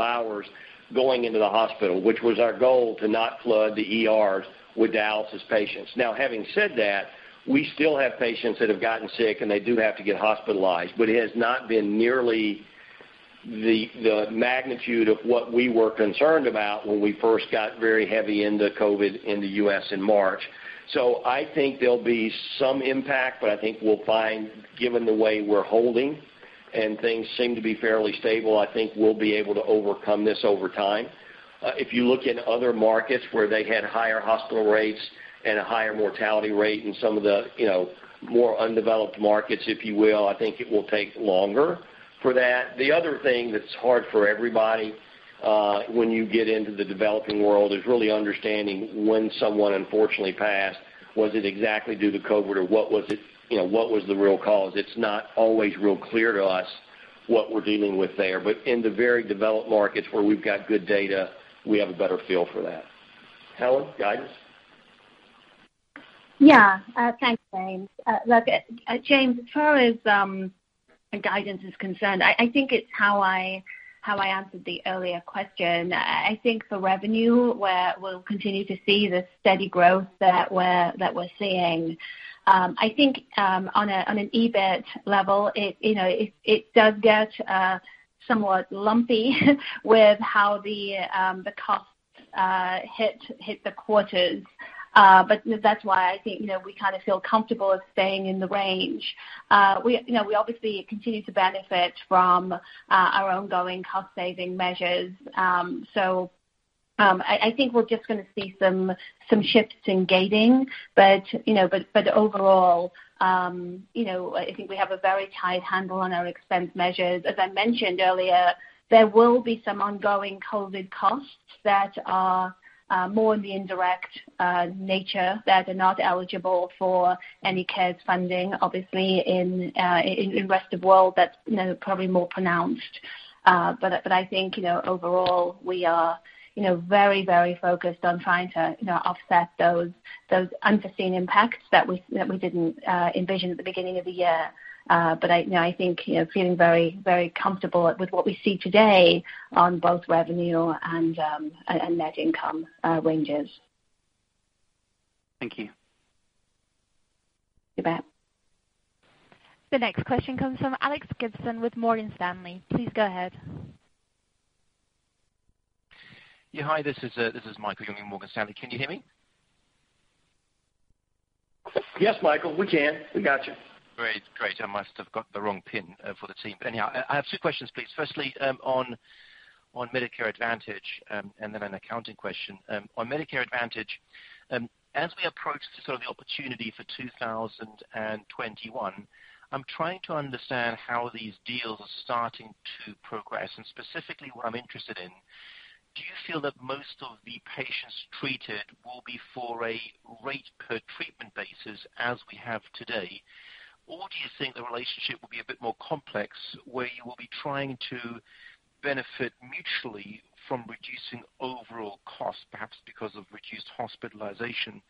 ours going into the hospital, which was our goal to not flood the ER with dialysis patients. Now, having said that, we still have patients that have gotten sick, and they do have to get hospitalized, but it has not been nearly the magnitude of what we were concerned about when we first got very heavy into COVID in the U.S. in March. I think there'll be some impact, but I think we'll find, given the way we're holding and things seem to be fairly stable, I think we'll be able to overcome this over time. If you look in other markets where they had higher hospital rates and a higher mortality rate in some of the more undeveloped markets, if you will, I think it will take longer for that. The other thing that's hard for everybody, when you get into the developing world, is really understanding when someone unfortunately passed, was it exactly due to COVID or what was the real cause? It's not always real clear to us what we're dealing with there. In the very developed markets where we've got good data, we have a better feel for that. Helen, guidance? Thanks, James. James, as far as guidance is concerned, I think it's how I answered the earlier question. I think the revenue where we'll continue to see the steady growth that we're seeing. I think, on an EBIT level, it does get somewhat lumpy with how the costs hit the quarters. That's why I think we kind of feel comfortable staying in the range. We obviously continue to benefit from our ongoing cost-saving measures. I think we're just going to see some shifts in gating. Overall, I think we have a very tight handle on our expense measures. As I mentioned earlier, there will be some ongoing COVID costs that are more in the indirect nature, that are not eligible for any CARES funding, obviously in rest of world, that's probably more pronounced. I think overall, we are very focused on trying to offset those unforeseen impacts that we didn't envision at the beginning of the year. I think feeling very comfortable with what we see today on both revenue and net income ranges. Thank you. You bet. The next question comes from Alex Gibson with Morgan Stanley. Please go ahead. Yeah. Hi, this is Michael Jungling, Morgan Stanley. Can you hear me? Yes, Michael, we can. We got you. Great. I must have got the wrong pin for the team. I have two questions, please. Firstly, on Medicare Advantage, and then an accounting question. On Medicare Advantage, as we approach the sort of opportunity for 2021, I'm trying to understand how these deals are starting to progress, and specifically what I'm interested in. Do you feel that most of the patients treated will be for a rate per treatment basis as we have today, or do you think the relationship will be a bit more complex, where you will be trying to benefit mutually from reducing overall costs, perhaps because of reduced hospitalization,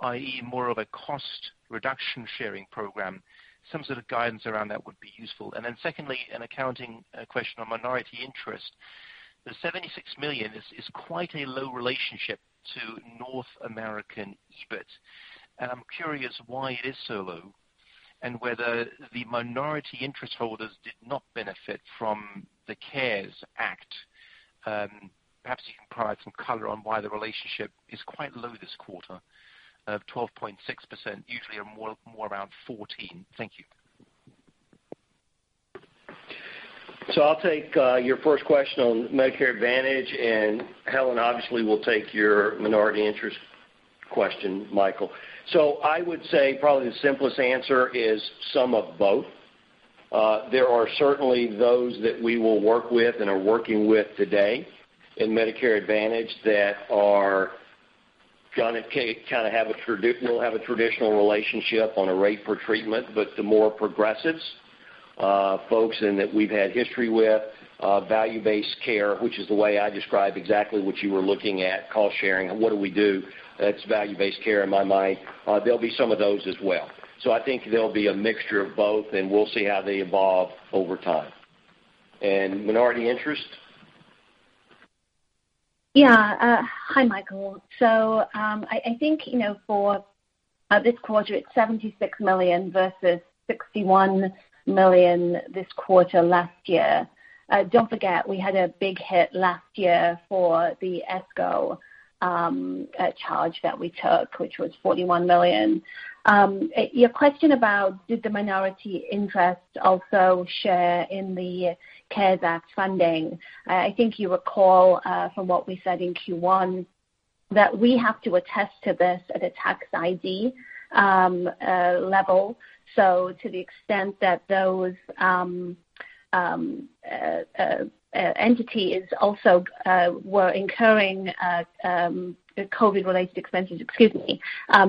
i.e., more of a cost reduction sharing program? Some sort of guidance around that would be useful. Secondly, an accounting question on minority interest. The 76 million is quite a low relationship to North American segment. I'm curious why it is so low and whether the minority interest holders did not benefit from the CARES Act. Perhaps you can provide some color on why the relationship is quite low this quarter of 12.6%, usually more around 14%. Thank you. I'll take your first question on Medicare Advantage, and Helen obviously will take your minority interest question, Michael. I would say probably the simplest answer is some of both. There are certainly those that we will work with and are working with today in Medicare Advantage that are going to kind of have a traditional relationship on a rate per treatment. The more progressive folks and that we've had history with, value-based care, which is the way I describe exactly what you were looking at, cost sharing and what do we do. That's value-based care in my mind. There'll be some of those as well. I think there'll be a mixture of both, and we'll see how they evolve over time. Minority interest? Yeah. Hi, Michael. I think for this quarter, it's 76 million versus 61 million this quarter last year. Don't forget, we had a big hit last year for the ESCO charge that we took, which was 41 million. Your question about did the minority interest also share in the CARES Act funding. I think you recall from what we said in Q1 that we have to attest to this at a tax ID level. To the extent that those entities also were incurring COVID-related expenses, excuse me,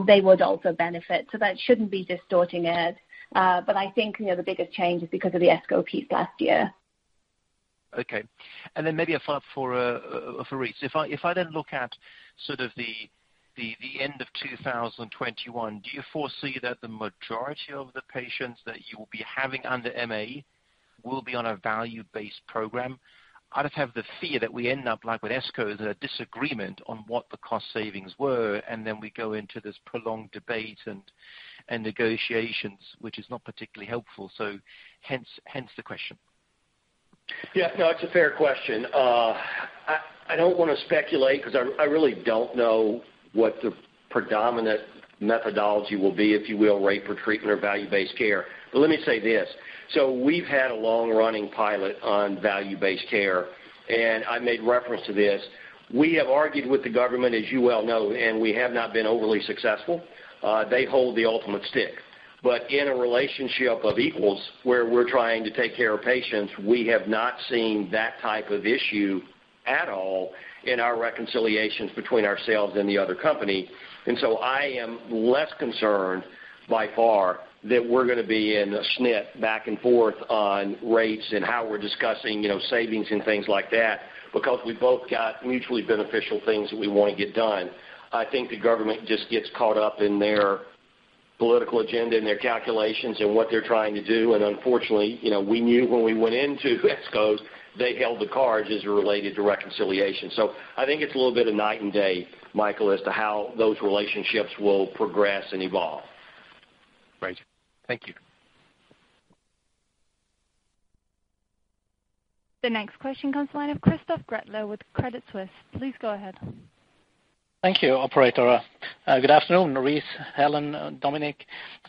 they would also benefit. That shouldn't be distorting it. I think the biggest change is because of the ESCO piece last year. Okay. Maybe for Rice. If I then look at sort of the end of 2021, do you foresee that the majority of the patients that you will be having under MA will be on a value-based program? I just have the fear that we end up like with ESCOs, a disagreement on what the cost savings were, and then we go into this prolonged debate and negotiations, which is not particularly helpful. Hence the question. Yeah, no, it's a fair question. I don't want to speculate because I really don't know what the predominant methodology will be, if you will, rate for treatment or value-based care. Let me say this. We've had a long-running pilot on value-based care, and I made reference to this. We have argued with the government, as you well know, and we have not been overly successful. They hold the ultimate stick. In a relationship of equals, where we're trying to take care of patients, we have not seen that type of issue at all in our reconciliations between ourselves and the other company. I am less concerned, by far, that we're going to be in a snit back and forth on rates and how we're discussing savings and things like that because we've both got mutually beneficial things that we want to get done. I think the government just gets caught up in their political agenda and their calculations and what they're trying to do. Unfortunately, we knew when we went into ESCOs they held the cards as it related to reconciliation. I think it's a little bit of night and day, Michael, as to how those relationships will progress and evolve. Great. Thank you. The next question comes the line of Christoph Gretler with Credit Suisse. Please go ahead. Thank you, operator. Good afternoon, Rice, Helen, Dominik.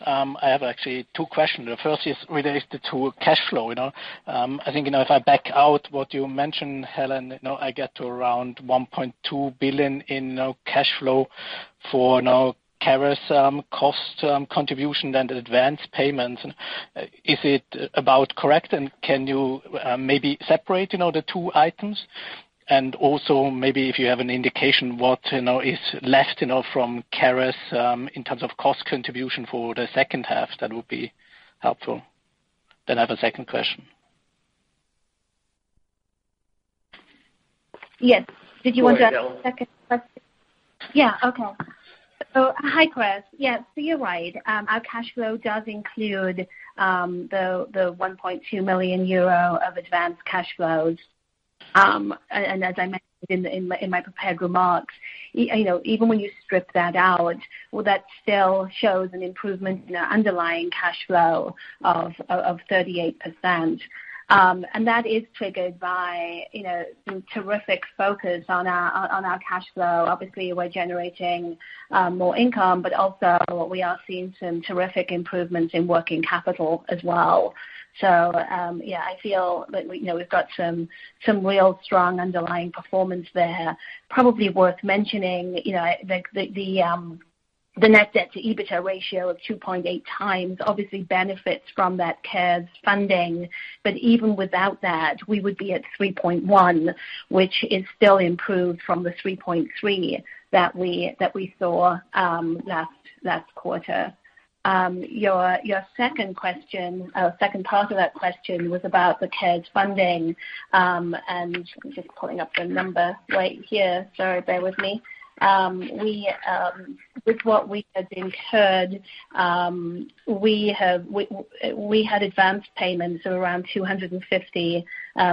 I have actually two questions. The first is related to cash flow. I think if I back out what you mentioned, Helen, I get to around 1.2 billion in cash flow for now, CARES cost contribution and advance payments. Is it about correct? Can you maybe separate the two items? Also maybe if you have an indication what is left from CARES in terms of cost contribution for the second half, that would be helpful. I have a second question. Yes. Did you want that second question? Yeah. Okay. Hi, Chris. Yeah, you're right. Our cash flow does include the 1.2 million euro of advanced cash flows. As I mentioned in my prepared remarks, even when you strip that out, well, that still shows an improvement in our underlying cash flow of 38%. That is triggered by some terrific focus on our cash flow. Obviously, we're generating more income, but also we are seeing some terrific improvements in working capital as well. Yeah, I feel that we've got some real strong underlying performance there. Probably worth mentioning, the net debt to EBITDA ratio of 2.8x obviously benefits from that CARES funding. Even without that, we would be at 3.1x, which is still improved from the 3.3x that we saw last quarter. Your second part of that question was about the CARES funding. I'm just pulling up the number right here. Sorry, bear with me. With what we had incurred, we had advanced payments of around 250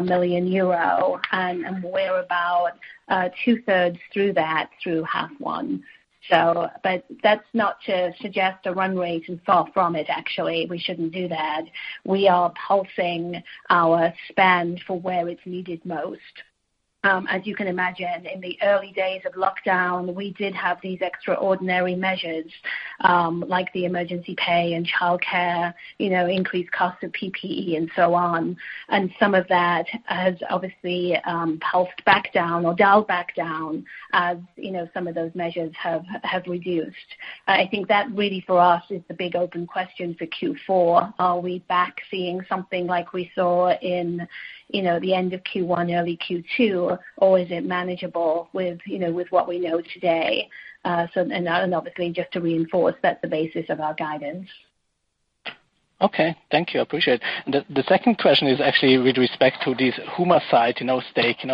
million euro, and we're about 2/3 through that through half one. That's not to suggest a runway. Far from it, actually. We shouldn't do that. We are pulsing our spend for where it's needed most. As you can imagine, in the early days of lockdown, we did have these extraordinary measures, like the emergency pay and childcare, increased cost of PPE, and so on. Some of that has obviously pulsed back down or dialed back down as some of those measures have reduced. I think that really for us is the big open question for Q4. Are we back seeing something like we saw in the end of Q1, early Q2? Is it manageable with what we know today? Obviously, just to reinforce, that's the basis of our guidance. Okay. Thank you. I appreciate it. The second question is actually with respect to this Humacyte stake.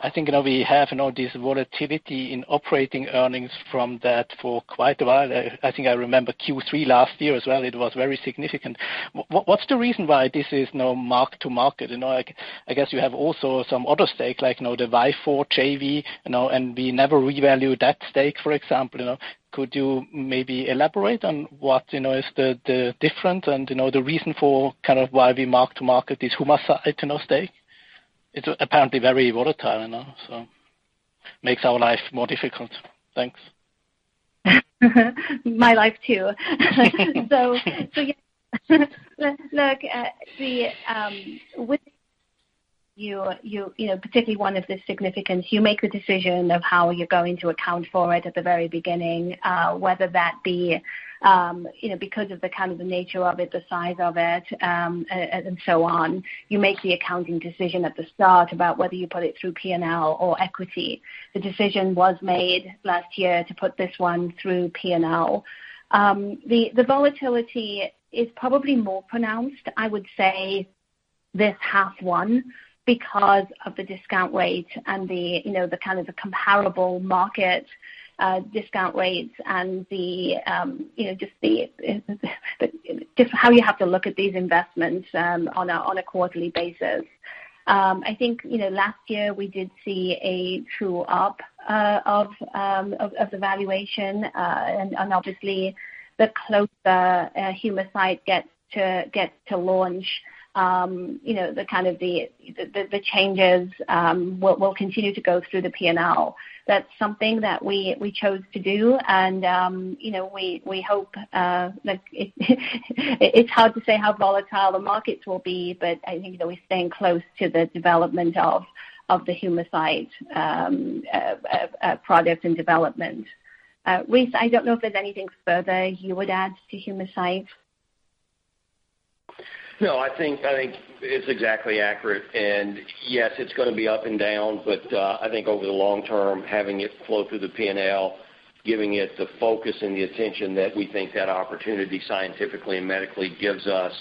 I think we have this volatility in operating earnings from that for quite a while. I think I remember Q3 last year as well. It was very significant. What's the reason why this is now mark to market? I guess you have also some other stake, like the Vifor JV, and we never revalue that stake, for example. Could you maybe elaborate on what is the difference and the reason for kind of why we mark to market this Humacyte stake? It's apparently very volatile, so makes our life more difficult. Thanks. My life too. Yes. Let's look at the, with you, particularly one of the significance, you make the decision of how you're going to account for it at the very beginning, whether that be because of the kind of the nature of it, the size of it, and so on. You make the accounting decision at the start about whether you put it through P&L or equity. The decision was made last year to put this one through P&L. The volatility is probably more pronounced, I would say, this half one, because of the discount rate and the comparable market discount rates and just how you have to look at these investments on a quarterly basis. I think last year we did see a true-up of the valuation. Obviously the closer Humacyte gets to launch, the changes will continue to go through the P&L. That's something that we chose to do. It's hard to say how volatile the markets will be, but I think that we're staying close to the development of the Humacyte project and development. Rice, I don't know if there's anything further you would add to Humacyte. No, I think it's exactly accurate. Yes, it's going to be up and down, but I think over the long term, having it flow through the P&L, giving it the focus and the attention that we think that opportunity scientifically and medically gives us,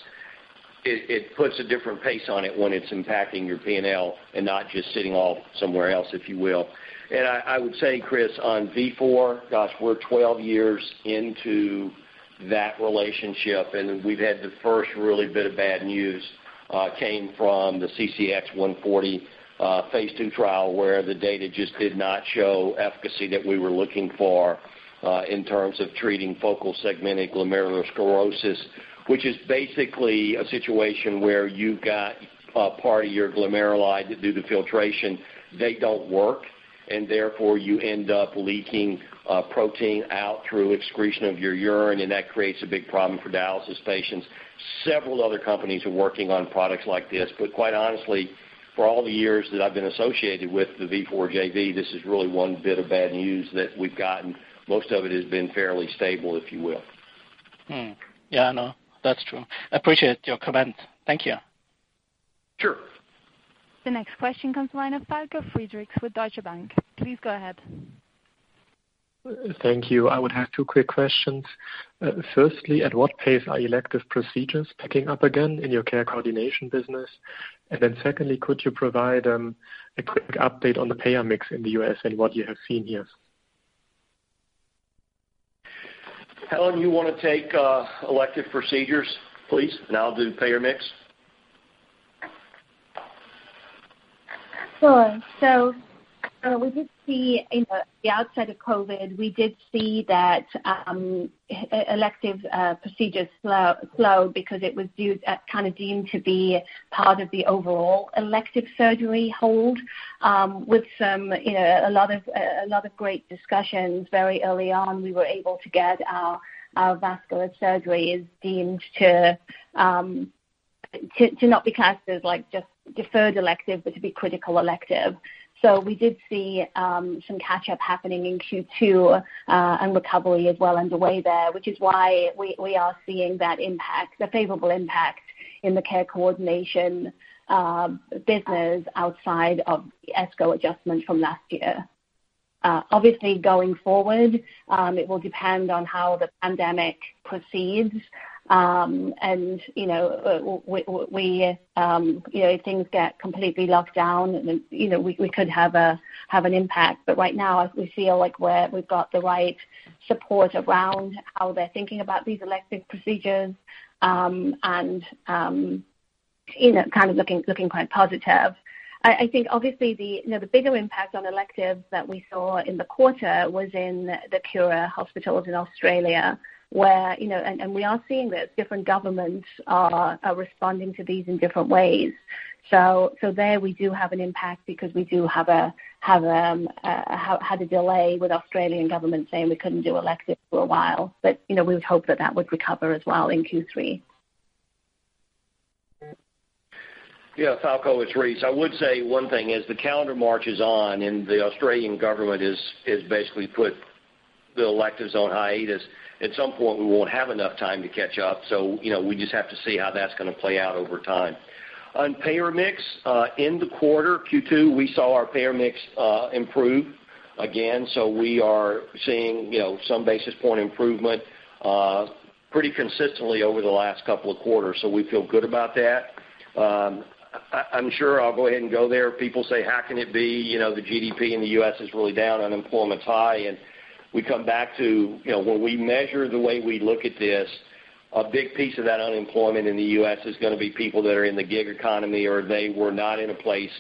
it puts a different pace on it when it's impacting your P&L and not just sitting off somewhere else, if you will. I would say, Chris, on Vifor, gosh, we're 12 years into that relationship, and we've had the first really bit of bad news came from the CCX140, phase II trial where the data just did not show efficacy that we were looking for in terms of treating focal segmental glomerulosclerosis, which is basically a situation where you've got a part of your glomeruli do the filtration. They don't work, and therefore you end up leaking protein out through excretion of your urine, and that creates a big problem for dialysis patients. Several other companies are working on products like this, but quite honestly, for all the years that I've been associated with the Vifor JV, this is really one bit of bad news that we've gotten. Most of it has been fairly stable, if you will. Yeah, I know. That's true. I appreciate your comment. Thank you. Sure. The next question comes the line of Falko Friedrichs with Deutsche Bank. Please go ahead. Thank you. I would have two quick questions. Firstly, at what pace are elective procedures picking up again in your care coordination business? Secondly, could you provide a quick update on the payer mix in the U.S. and what you have seen here? Helen, you want to take elective procedures, please, and I'll do payer mix. Sure. We did see in the outside of COVID, we did see that elective procedures slowed because it was kind of deemed to be part of the overall elective surgery hold. With a lot of great discussions very early on, we were able to get our vascular surgeries deemed to not be classed as just deferred elective, but to be critical elective. We did see some catch-up happening in Q2, and recovery as well underway there, which is why we are seeing that impact, the favorable impact in the care coordination business outside of the ESCO adjustment from last year. Obviously going forward, it will depend on how the pandemic proceeds. If things get completely locked down, we could have an impact. Right now, we feel like we've got the right support around how they're thinking about these elective procedures and looking quite positive. I think obviously the bigger impact on electives that we saw in the quarter was in the Cura hospitals in Australia where we are seeing that different governments are responding to these in different ways. There we do have an impact because we had a delay with Australian government saying we couldn't do elective for a while. We would hope that that would recover as well in Q3. Yeah, Falko, it's Rice. I would say one thing as the calendar marches on and the Australian government has basically put the electives on hiatus. At some point, we won't have enough time to catch up. We just have to see how that's going to play out over time. On payer mix, in the quarter Q2, we saw our payer mix improve again. We are seeing some basis point improvement pretty consistently over the last couple of quarters. We feel good about that. I'm sure I'll go ahead and go there. People say, how can it be? The GDP in the U.S. is really down. Unemployment's high. We come back to where we measure the way we look at this. A big piece of that unemployment in the U.S. is going to be people that are in the gig economy, or they were not in a place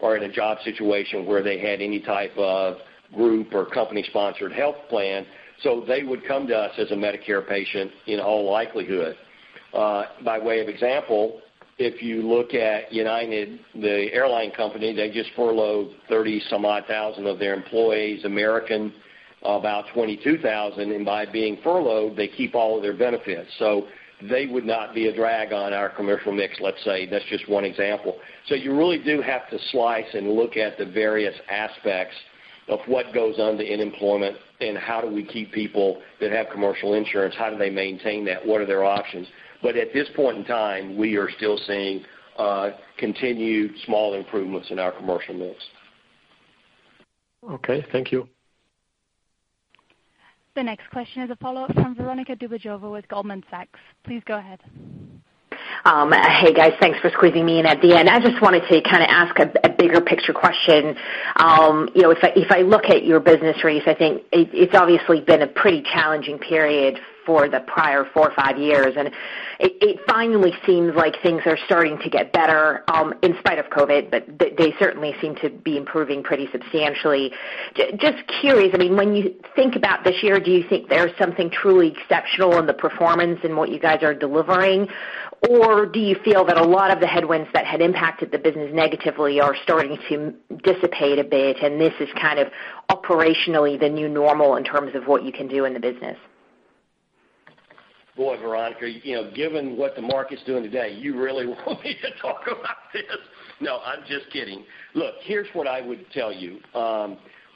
or in a job situation where they had any type of group or company-sponsored health plan. They would come to us as a Medicare patient in all likelihood. By way of example, if you look at United, the airline company, they just furloughed 30 some odd thousand of their employees, American, about 22,000, and by being furloughed, they keep all of their benefits. They would not be a drag on our commercial mix, let's say. That's just one example. You really do have to slice and look at the various aspects of what goes on to unemployment and how do we keep people that have commercial insurance, how do they maintain that? What are their options? At this point in time, we are still seeing continued small improvements in our commercial mix. Okay, thank you. The next question is a follow-up from Veronika Dubajova with Goldman Sachs. Please go ahead. Hey, guys. Thanks for squeezing me in at the end. I just wanted to kind of ask a bigger picture question. If I look at your business, Rice, I think it's obviously been a pretty challenging period for the prior four or five years, and it finally seems like things are starting to get better, in spite of COVID, but they certainly seem to be improving pretty substantially. Just curious, I mean, when you think about this year, do you think there's something truly exceptional in the performance in what you guys are delivering? Do you feel that a lot of the headwinds that had impacted the business negatively are starting to dissipate a bit, and this is kind of operationally the new normal in terms of what you can do in the business? Boy, Veronika, given what the market's doing today, you really want me to talk about this? No, I'm just kidding. Look, here's what I would tell you.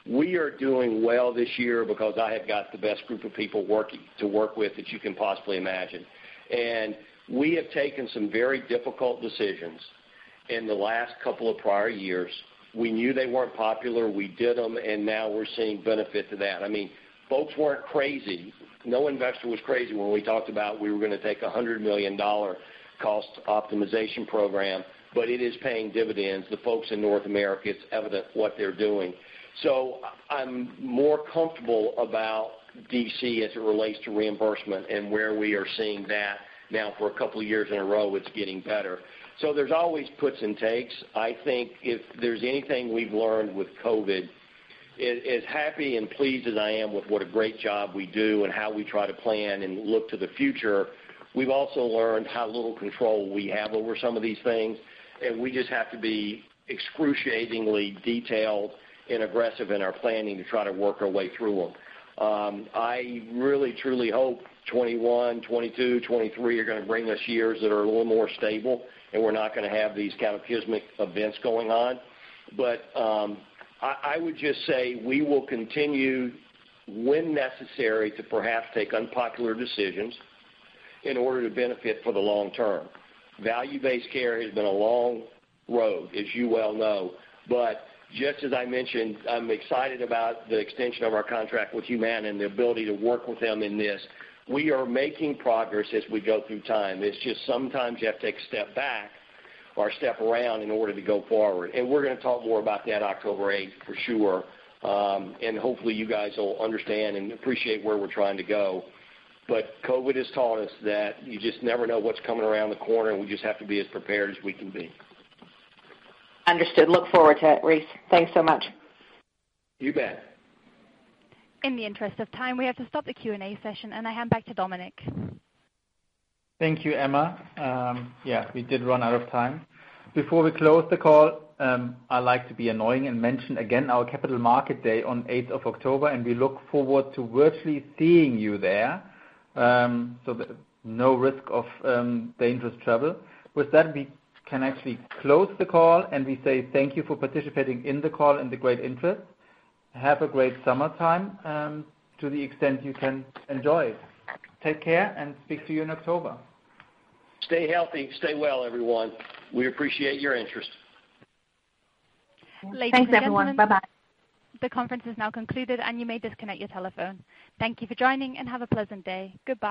We are doing well this year because I have got the best group of people to work with that you can possibly imagine. We have taken some very difficult decisions in the last couple of prior years. We knew they weren't popular. We did them, and now we're seeing benefit to that. I mean, folks weren't crazy. No investor was crazy when we talked about we were going to take EUR 100 million cost optimization program, but it's paying dividends. The folks in North America, it's evident what they're doing. I'm more comfortable about D.C. as it relates to reimbursement and where we are seeing that now for a couple of years in a row, it's getting better. There's always puts and takes. I think if there's anything we've learned with COVID, as happy and pleased as I am with what a great job we do and how we try to plan and look to the future, we've also learned how little control we have over some of these things, and we just have to be excruciatingly detailed and aggressive in our planning to try to work our way through them. I really, truly hope 2021, 2022, 2023 are going to bring us years that are a little more stable and we're not going to have these cataclysmic events going on. I would just say we will continue when necessary to perhaps take unpopular decisions in order to benefit for the long term. Value-based care has been a long road, as you well know, but just as I mentioned, I'm excited about the extension of our contract with Humana and the ability to work with them in this. We are making progress as we go through time. It's just sometimes you have to take a step back or a step around in order to go forward. We're going to talk more about that October 8th for sure. Hopefully you guys will understand and appreciate where we're trying to go. COVID has taught us that you just never know what's coming around the corner, and we just have to be as prepared as we can be. Understood. Look forward to it, Rice. Thanks so much. You bet. In the interest of time, we have to stop the Q&A session, and I hand back to Dominik. Thank you, Emma. Yeah, we did run out of time. Before we close the call, I like to be annoying and mention again our capital market day on 8th of October. We look forward to virtually seeing you there. No risk of dangerous travel. With that, we can actually close the call. We say thank you for participating in the call and the great interest. Have a great summertime, to the extent you can enjoy it. Take care and speak to you in October. Stay healthy. Stay well, everyone. We appreciate your interest. Thanks, everyone. Bye bye. Ladies and gentelemen, the conference is now concluded, and you may disconnect your telephone. Thank you for joining, and have a pleasant day. Goodbye.